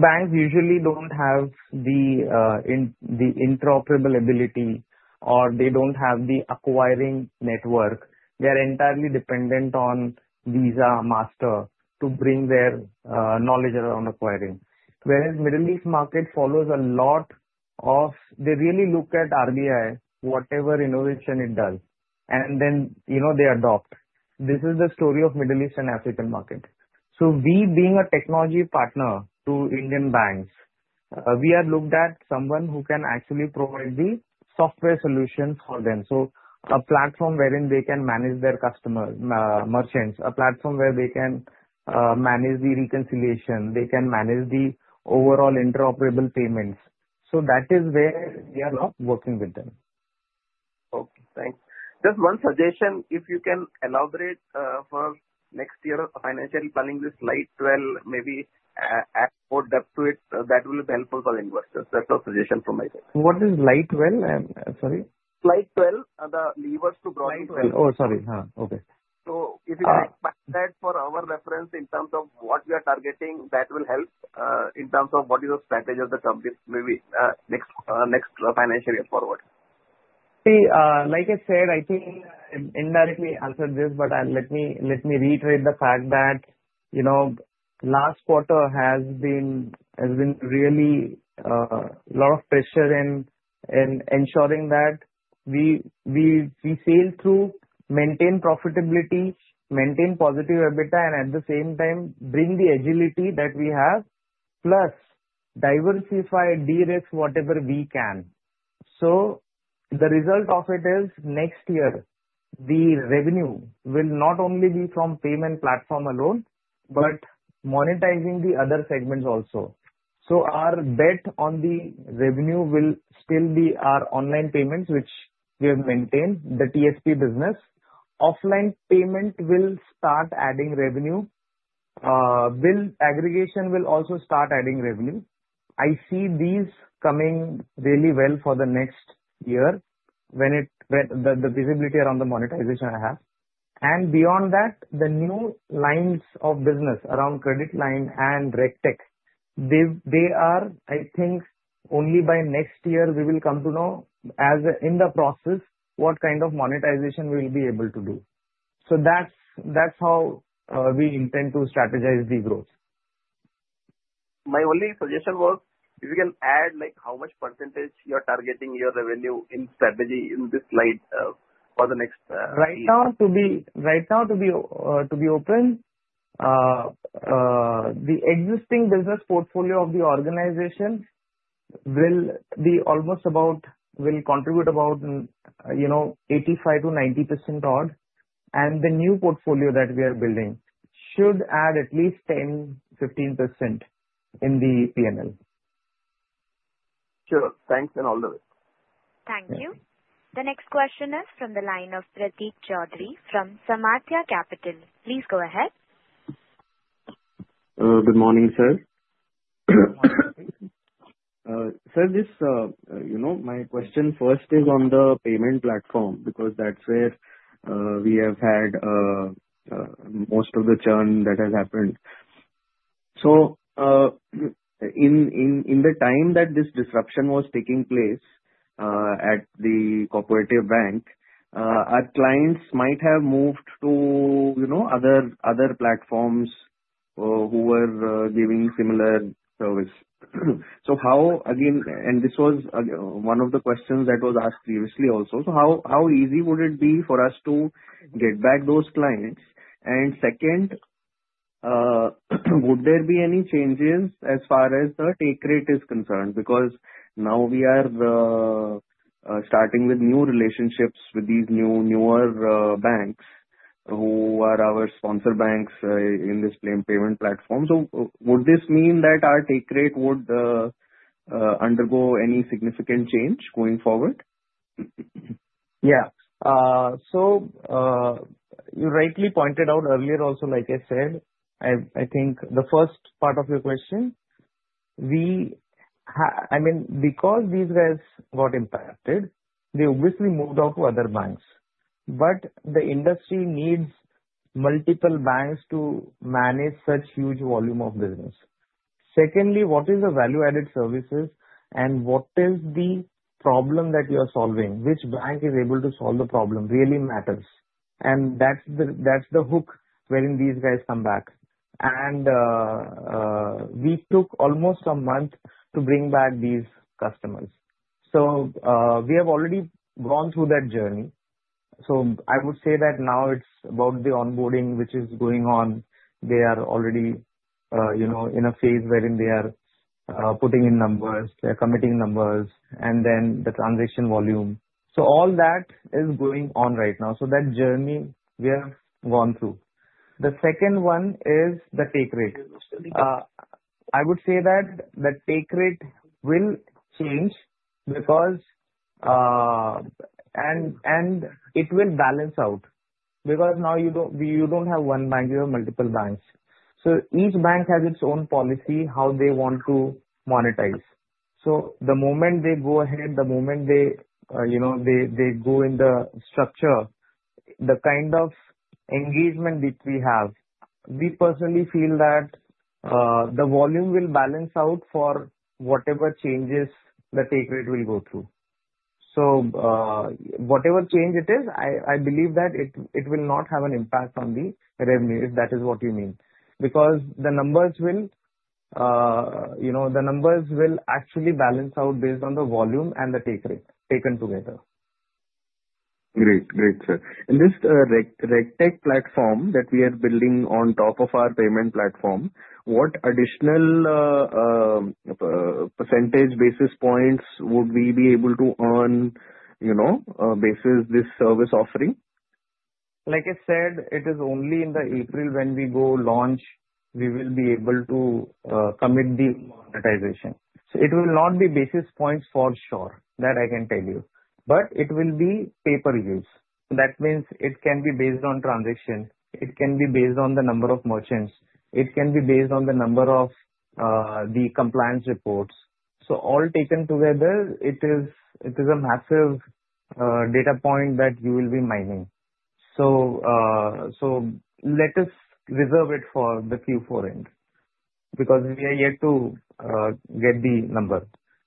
banks usually don't have the interoperable ability or they don't have the acquiring network. They are entirely dependent on Visa, Master to bring their knowledge around acquiring. Whereas Middle East market follows a lot of they really look at RBI, whatever innovation it does, and then they adopt. This is the story of Middle East and African market. So we, being a technology partner to Indian banks, we are looked at someone who can actually provide the software solution for them. So a platform wherein they can manage their customers, merchants, a platform where they can manage the reconciliation, they can manage the overall interoperable payments. So that is where we are working with them. Okay. Thanks. Just one suggestion, if you can elaborate for next year, financially planning this slide 12, maybe add more depth to it, that will help us as investors. That's a suggestion from my side. What is slide 12? Sorry? Slide 12, the levers to grow in 12. Oh, sorry. Okay. So if you can expand that for our reference in terms of what we are targeting, that will help in terms of what is the strategy of the company maybe next financial year forward. See, like I said, I think indirectly answered this, but let me reiterate the fact that last quarter has been really a lot of pressure in ensuring that we sail through, maintain profitability, maintain positive EBITDA, and at the same time, bring the agility that we have, plus diversify, de-risk whatever we can. So the result of it is next year, the revenue will not only be from payment platform alone, but monetizing the other segments also. So our bet on the revenue will still be our online payments, which we have maintained, the TSP business. Offline payment will start adding revenue. Bill aggregation will also start adding revenue. I see these coming really well for the next year when the visibility around the monetization I have. Beyond that, the new lines of business around credit line and RegTech, they are, I think, only by next year we will come to know, as in the process, what kind of monetization we will be able to do. That's how we intend to strategize the growth. My only suggestion was if you can add how much percentage you are targeting your revenue in strategy in this slide for the next. Right now, to be open, the existing business portfolio of the organization will contribute about 85%-90% odd, and the new portfolio that we are building should add at least 10%-15% in the P&L. Sure. Thanks and all the best. Thank you. The next question is from the line of Prateek Chaudhary from Saamarthya Capital. Please go ahead. Good morning, sir. Good morning. Sir, my question first is on the payment platform because that's where we have had most of the churn that has happened. So in the time that this disruption was taking place at the cooperative bank, our clients might have moved to other platforms who were giving similar service. So how, again, and this was one of the questions that was asked previously also, would it be easy for us to get back those clients? And second, would there be any changes as far as the take rate is concerned? Because now we are starting with new relationships with these newer banks who are our sponsor banks in this payment platform. So would this mean that our take rate would undergo any significant change going forward? Yeah. So you rightly pointed out earlier also, like I said, I mean, because these guys got impacted, they obviously moved out to other banks. But the industry needs multiple banks to manage such huge volume of business. Secondly, what is the value-added services and what is the problem that you are solving? Which bank is able to solve the problem really matters. And that's the hook wherein these guys come back. And we took almost a month to bring back these customers. So we have already gone through that journey. So I would say that now it's about the onboarding, which is going on. They are already in a phase wherein they are putting in numbers, they're committing numbers, and then the transaction volume. So all that is going on right now. So that journey we have gone through. The second one is the take rate. I would say that the take rate will change because, and it will balance out because now you don't have one bank, you have multiple banks. So each bank has its own policy, how they want to monetize. So the moment they go ahead, the moment they go in the structure, the kind of engagement that we have, we personally feel that the volume will balance out for whatever changes the take rate will go through. So whatever change it is, I believe that it will not have an impact on the revenue if that is what you mean. Because the numbers will actually balance out based on the volume and the take rate taken together. Great. Great, sir. And this RegTech platform that we are building on top of our payment platform, what additional percentage basis points would we be able to earn basis this service offering? Like I said, it is only in April when we go launch, we will be able to commit the monetization. So it will not be basis points for sure, that I can tell you. But it will be pay-per-use. That means it can be based on transaction. It can be based on the number of merchants. It can be based on the number of the compliance reports. So all taken together, it is a massive data point that you will be mining. So let us reserve it for the Q4 end because we are yet to get the number.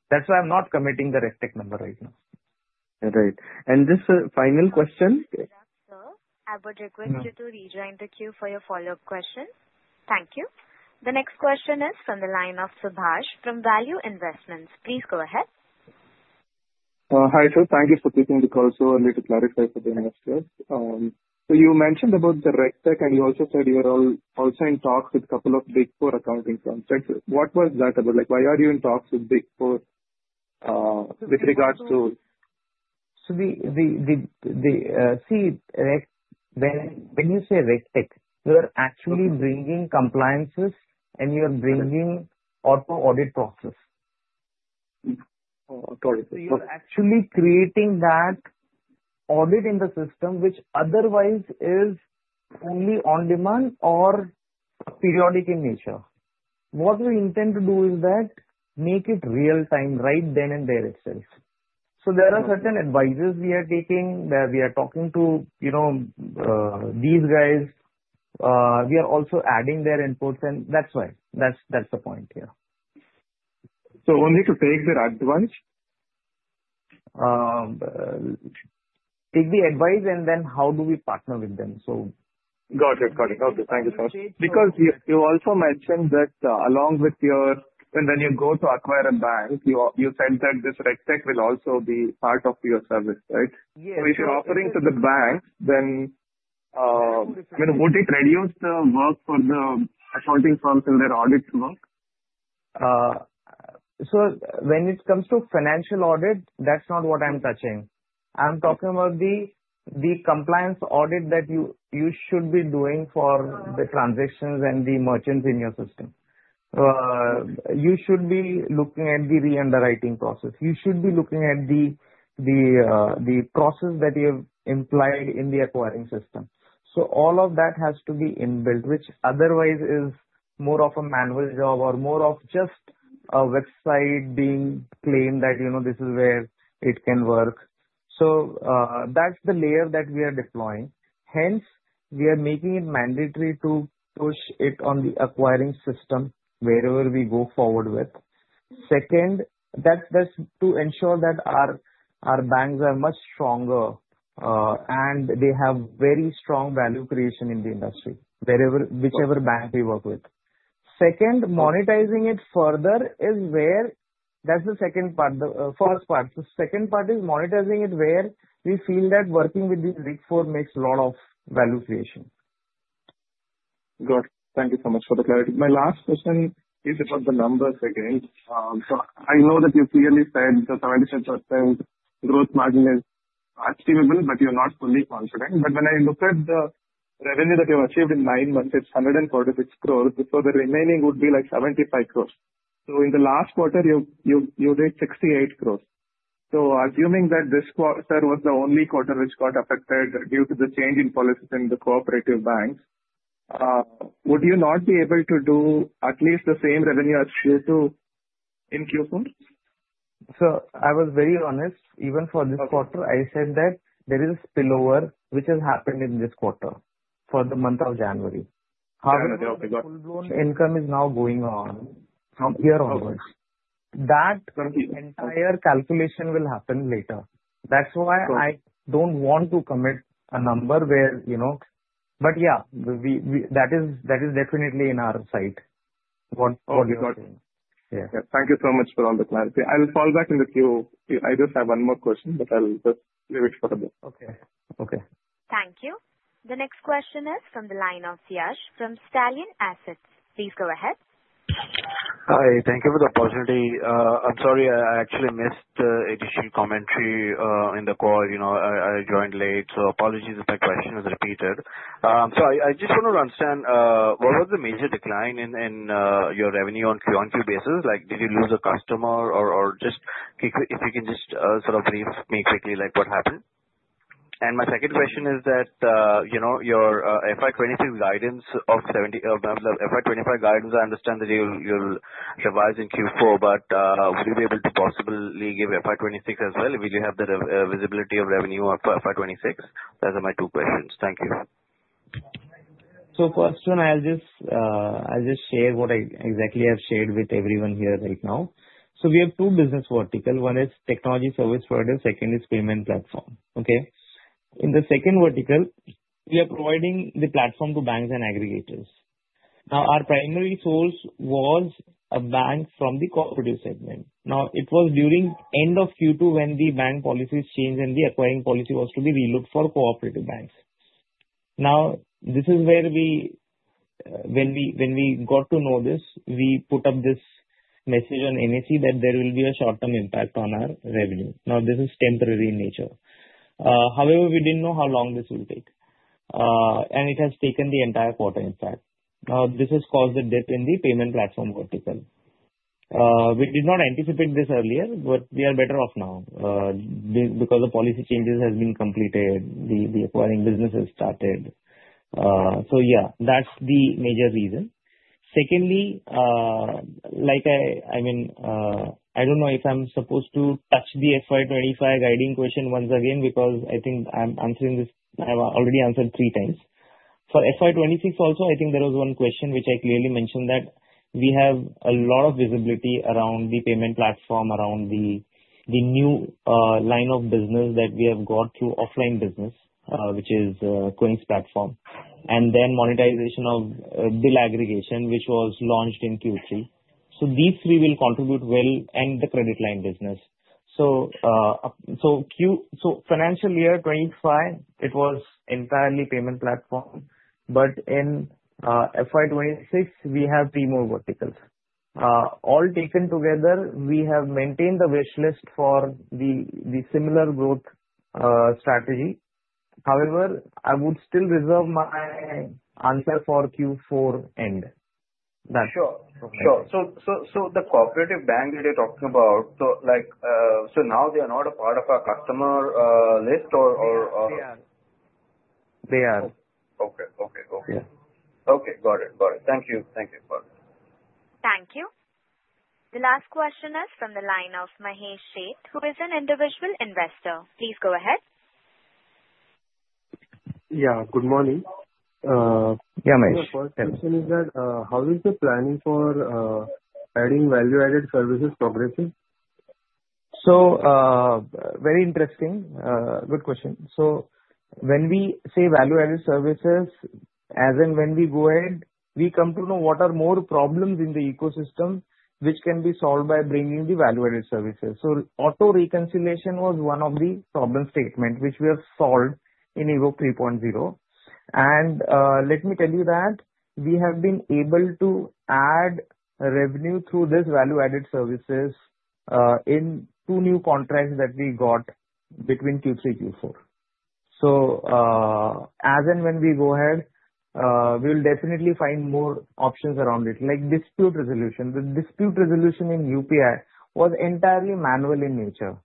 That's why I'm not committing the RegTech number right now. Right. And just a final question. That's all. I would request you to rejoin the queue for your follow-up question. Thank you. The next question is from the line of Subhash from Value Investments. Please go ahead. Hi, sir. Thank you for taking the call. So I'd like to clarify for the investors. So you mentioned about the RegTech, and you also said you are also in talks with a couple of Big Four accounting firms. What was that about? Why are you in talks with Big Four with regards to? So see, when you say RegTech, you are actually bringing compliances and you are bringing auto audit process. Got it. So you are actually creating that audit in the system, which otherwise is only on demand or periodic in nature. What we intend to do is that make it real-time right then and there itself. So there are certain advisors we are taking that we are talking to these guys. We are also adding their inputs, and that's why. That's the point here. So only to take their advice? Take the advice and then how do we partner with them? Got it. Okay. Thank you so much. Because you also mentioned that along with your when you go to acquire a bank, you said that this RegTech will also be part of your service, right? Yes. So if you're offering to the bank, then would it reduce the work for the accounting firms in their audit work? So when it comes to financial audit, that's not what I'm touching. I'm talking about the compliance audit that you should be doing for the transactions and the merchants in your system. You should be looking at the re-underwriting process. You should be looking at the process that you have implemented in the acquiring system. So all of that has to be inbuilt, which otherwise is more of a manual job or more of just a website being claimed that this is where it can work. So that's the layer that we are deploying. Hence, we are making it mandatory to push it on the acquiring system wherever we go forward with. Second, that's to ensure that our banks are much stronger and they have very strong value creation in the industry, whichever bank we work with. Second, monetizing it further is where that's the second part, the first part. The second part is monetizing it where we feel that working with these Big Four makes a lot of value creation. Got it. Thank you so much for the clarity. My last question is about the numbers again. So I know that you clearly said the 75% gross margin is achievable, but you're not fully confident. But when I look at the revenue that you have achieved in nine months, it's 146 crores. So the remaining would be like 75 crores. So in the last quarter, you did 68 crores. So assuming that this quarter was the only quarter which got affected due to the change in policies in the cooperative banks, would you not be able to do at least the same revenue as you do in Q4? So I was very honest. Even for this quarter, I said that there is a spillover which has happened in this quarter for the month of January. Okay. Got it. Okay. Got it. The full-blown income is now going on here onwards. That entire calculation will happen later. That's why I don't want to commit a number where, but yeah, that is definitely in our sight. Got it. Got it. Thank you so much for all the clarity. I'll fall back in the queue. I just have one more question, but I'll just leave it for a bit. Okay. Okay. Thank you. The next question is from the line of Yash from Stallion Asset. Please go ahead. Hi. Thank you for the opportunity. I'm sorry I actually missed the initial commentary in the call. I joined late, so apologies if my question was repeated. So I just wanted to understand, what was the major decline in your revenue on a Q1 basis? Did you lose a customer, or just if you can just sort of brief me quickly what happened? And my second question is that FY 2026 guidance FY 2025 guidance, I understand that you'll revise in Q4, but would you be able to possibly FY 2026 as well? Will you have the visibility of revenue FY 2026? those are my two questions. Thank you. So first one, I'll just share what I exactly have shared with everyone here right now. So we have two business verticals. One is technology service vertical. Second is payment platform. Okay? In the second vertical, we are providing the platform to banks and aggregators. Now, our primary source was a bank from the cooperative segment. Now, it was during the end of Q2 when the bank policies changed and the acquiring policy was to be relooked for cooperative banks. Now, this is where we got to know this, we put up this message on NSE that there will be a short-term impact on our revenue. Now, this is temporary in nature. However, we didn't know how long this will take. And it has taken the entire quarter, in fact. Now, this has caused a dip in the payment platform vertical. We did not anticipate this earlier, but we are better off now because the policy changes have been completed. The acquiring business has started. So yeah, that's the major reason. Secondly, I mean, I don't know if I'm supposed to touch FY 2025 guiding question once again because I think I'm answering this I've already answered three times. FY 2026 also, I think there was one question which I clearly mentioned that we have a lot of visibility around the payment platform, around the new line of business that we have got through offline business, which is Qynx platform, and then monetization of bill aggregation, which was launched in Q3. So these three will contribute well and the credit line business. So financial year 2025, it was entirely payment platform. But FY 2026, we have three more verticals. All taken together, we have maintained the wish list for the similar growth strategy. However, I would still reserve my answer for Q4 end. Sure. Sure. So the cooperative bank that you're talking about, so now they are not a part of our customer list or? They are. They are. Okay. Got it. Thank you. Thank you. The last question is from the line of Mahesh Sheth, who is an individual investor. Please go ahead. Yeah. Good morning. Yeah, Mahesh. My first question is that how is the planning for adding value-added services progressing? Very interesting. Good question. When we say value-added services, as in when we go ahead, we come to know what are more problems in the ecosystem which can be solved by bringing the value-added services. Auto reconciliation was one of the problem statements which we have solved in Evok 3.0. Let me tell you that we have been able to add revenue through these value-added services in two new contracts that we got between Q3 and Q4. As in when we go ahead, we'll definitely find more options around it, like dispute resolution. The dispute resolution in UPI was entirely manual in nature.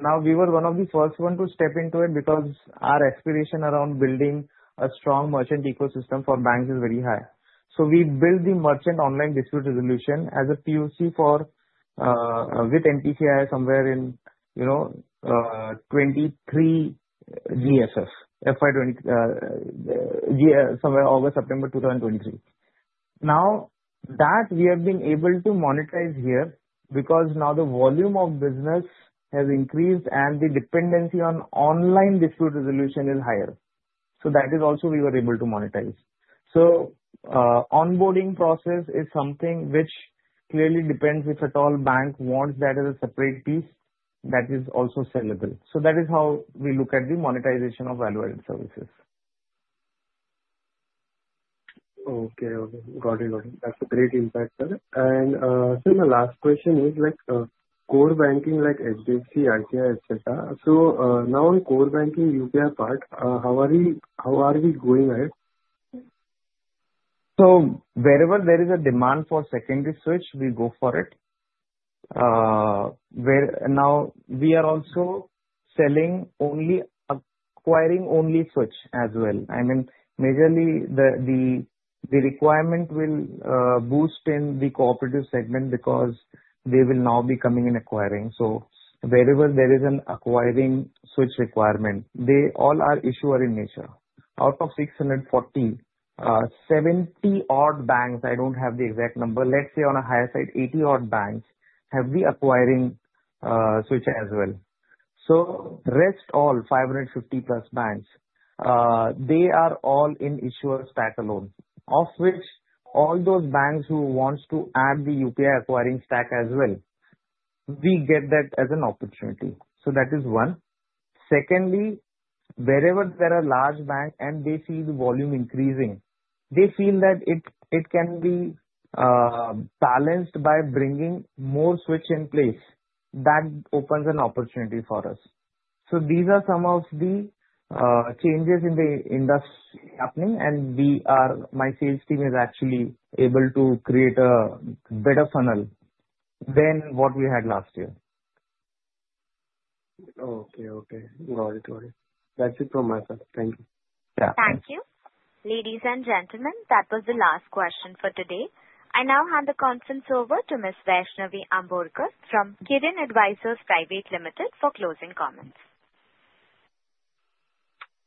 Now, we were one of the first ones to step into it because our aspiration around building a strong merchant ecosystem for banks is very high. So we built the merchant online dispute resolution as a POC with NPCI somewhere in 2023 GFF, somewhere August, September 2023. Now, that we have been able to monetize here because now the volume of business has increased and the dependency on online dispute resolution is higher. So that is also we were able to monetize. So onboarding process is something which clearly depends if at all bank wants that as a separate piece that is also sellable. So that is how we look at the monetization of value-added services. Okay. Okay. Got it. Got it. That's a great insight, sir, and so my last question is core banking like HDFC, ICICI, etc. So now in core banking UPI part, how are we going ahead? So wherever there is a demand for secondary switch, we go for it. Now, we are also selling only acquiring only switch as well. I mean, majorly, the requirement will boost in the cooperative segment because they will now be coming in acquiring. So wherever there is an acquiring switch requirement, they all are issuer in nature. Out of 640, 70-odd banks, I don't have the exact number, let's say on a higher side, 80-odd banks have the acquiring switch as well. So rest all 550-plus banks, they are all in issuer stack alone, of which all those banks who want to add the UPI acquiring stack as well, we get that as an opportunity. So that is one. Secondly, wherever there are large banks and they see the volume increasing, they feel that it can be balanced by bringing more switch in place. That opens an opportunity for us. These are some of the changes in the industry happening, and my sales team is actually able to create a better funnel than what we had last year. Okay. Okay. Got it. Got it. That's it from my side. Thank you. Yeah. Thank you. Ladies and gentlemen, that was the last question for today. I now hand the conference over to Ms. Vaishnavi Ambolkar from Kirin Advisors Private Limited for closing comments.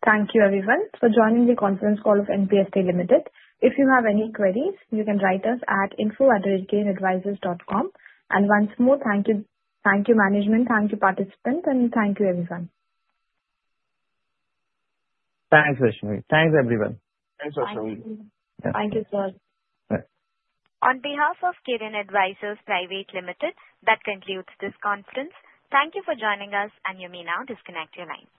Thank you, everyone, for joining the conference call of NPST Limited. If you have any queries, you can write us at info@kirinadvisors.com. And once more, thank you, management, thank you, participants, and thank you, everyone. Thanks, Vaishnavi. Thanks, everyone. Thanks, Vaishnavi. Thank you. Thank you, sir. Bye. On behalf of Kirin Advisors Private Limited, that concludes this conference. Thank you for joining us, and you may now disconnect your lines.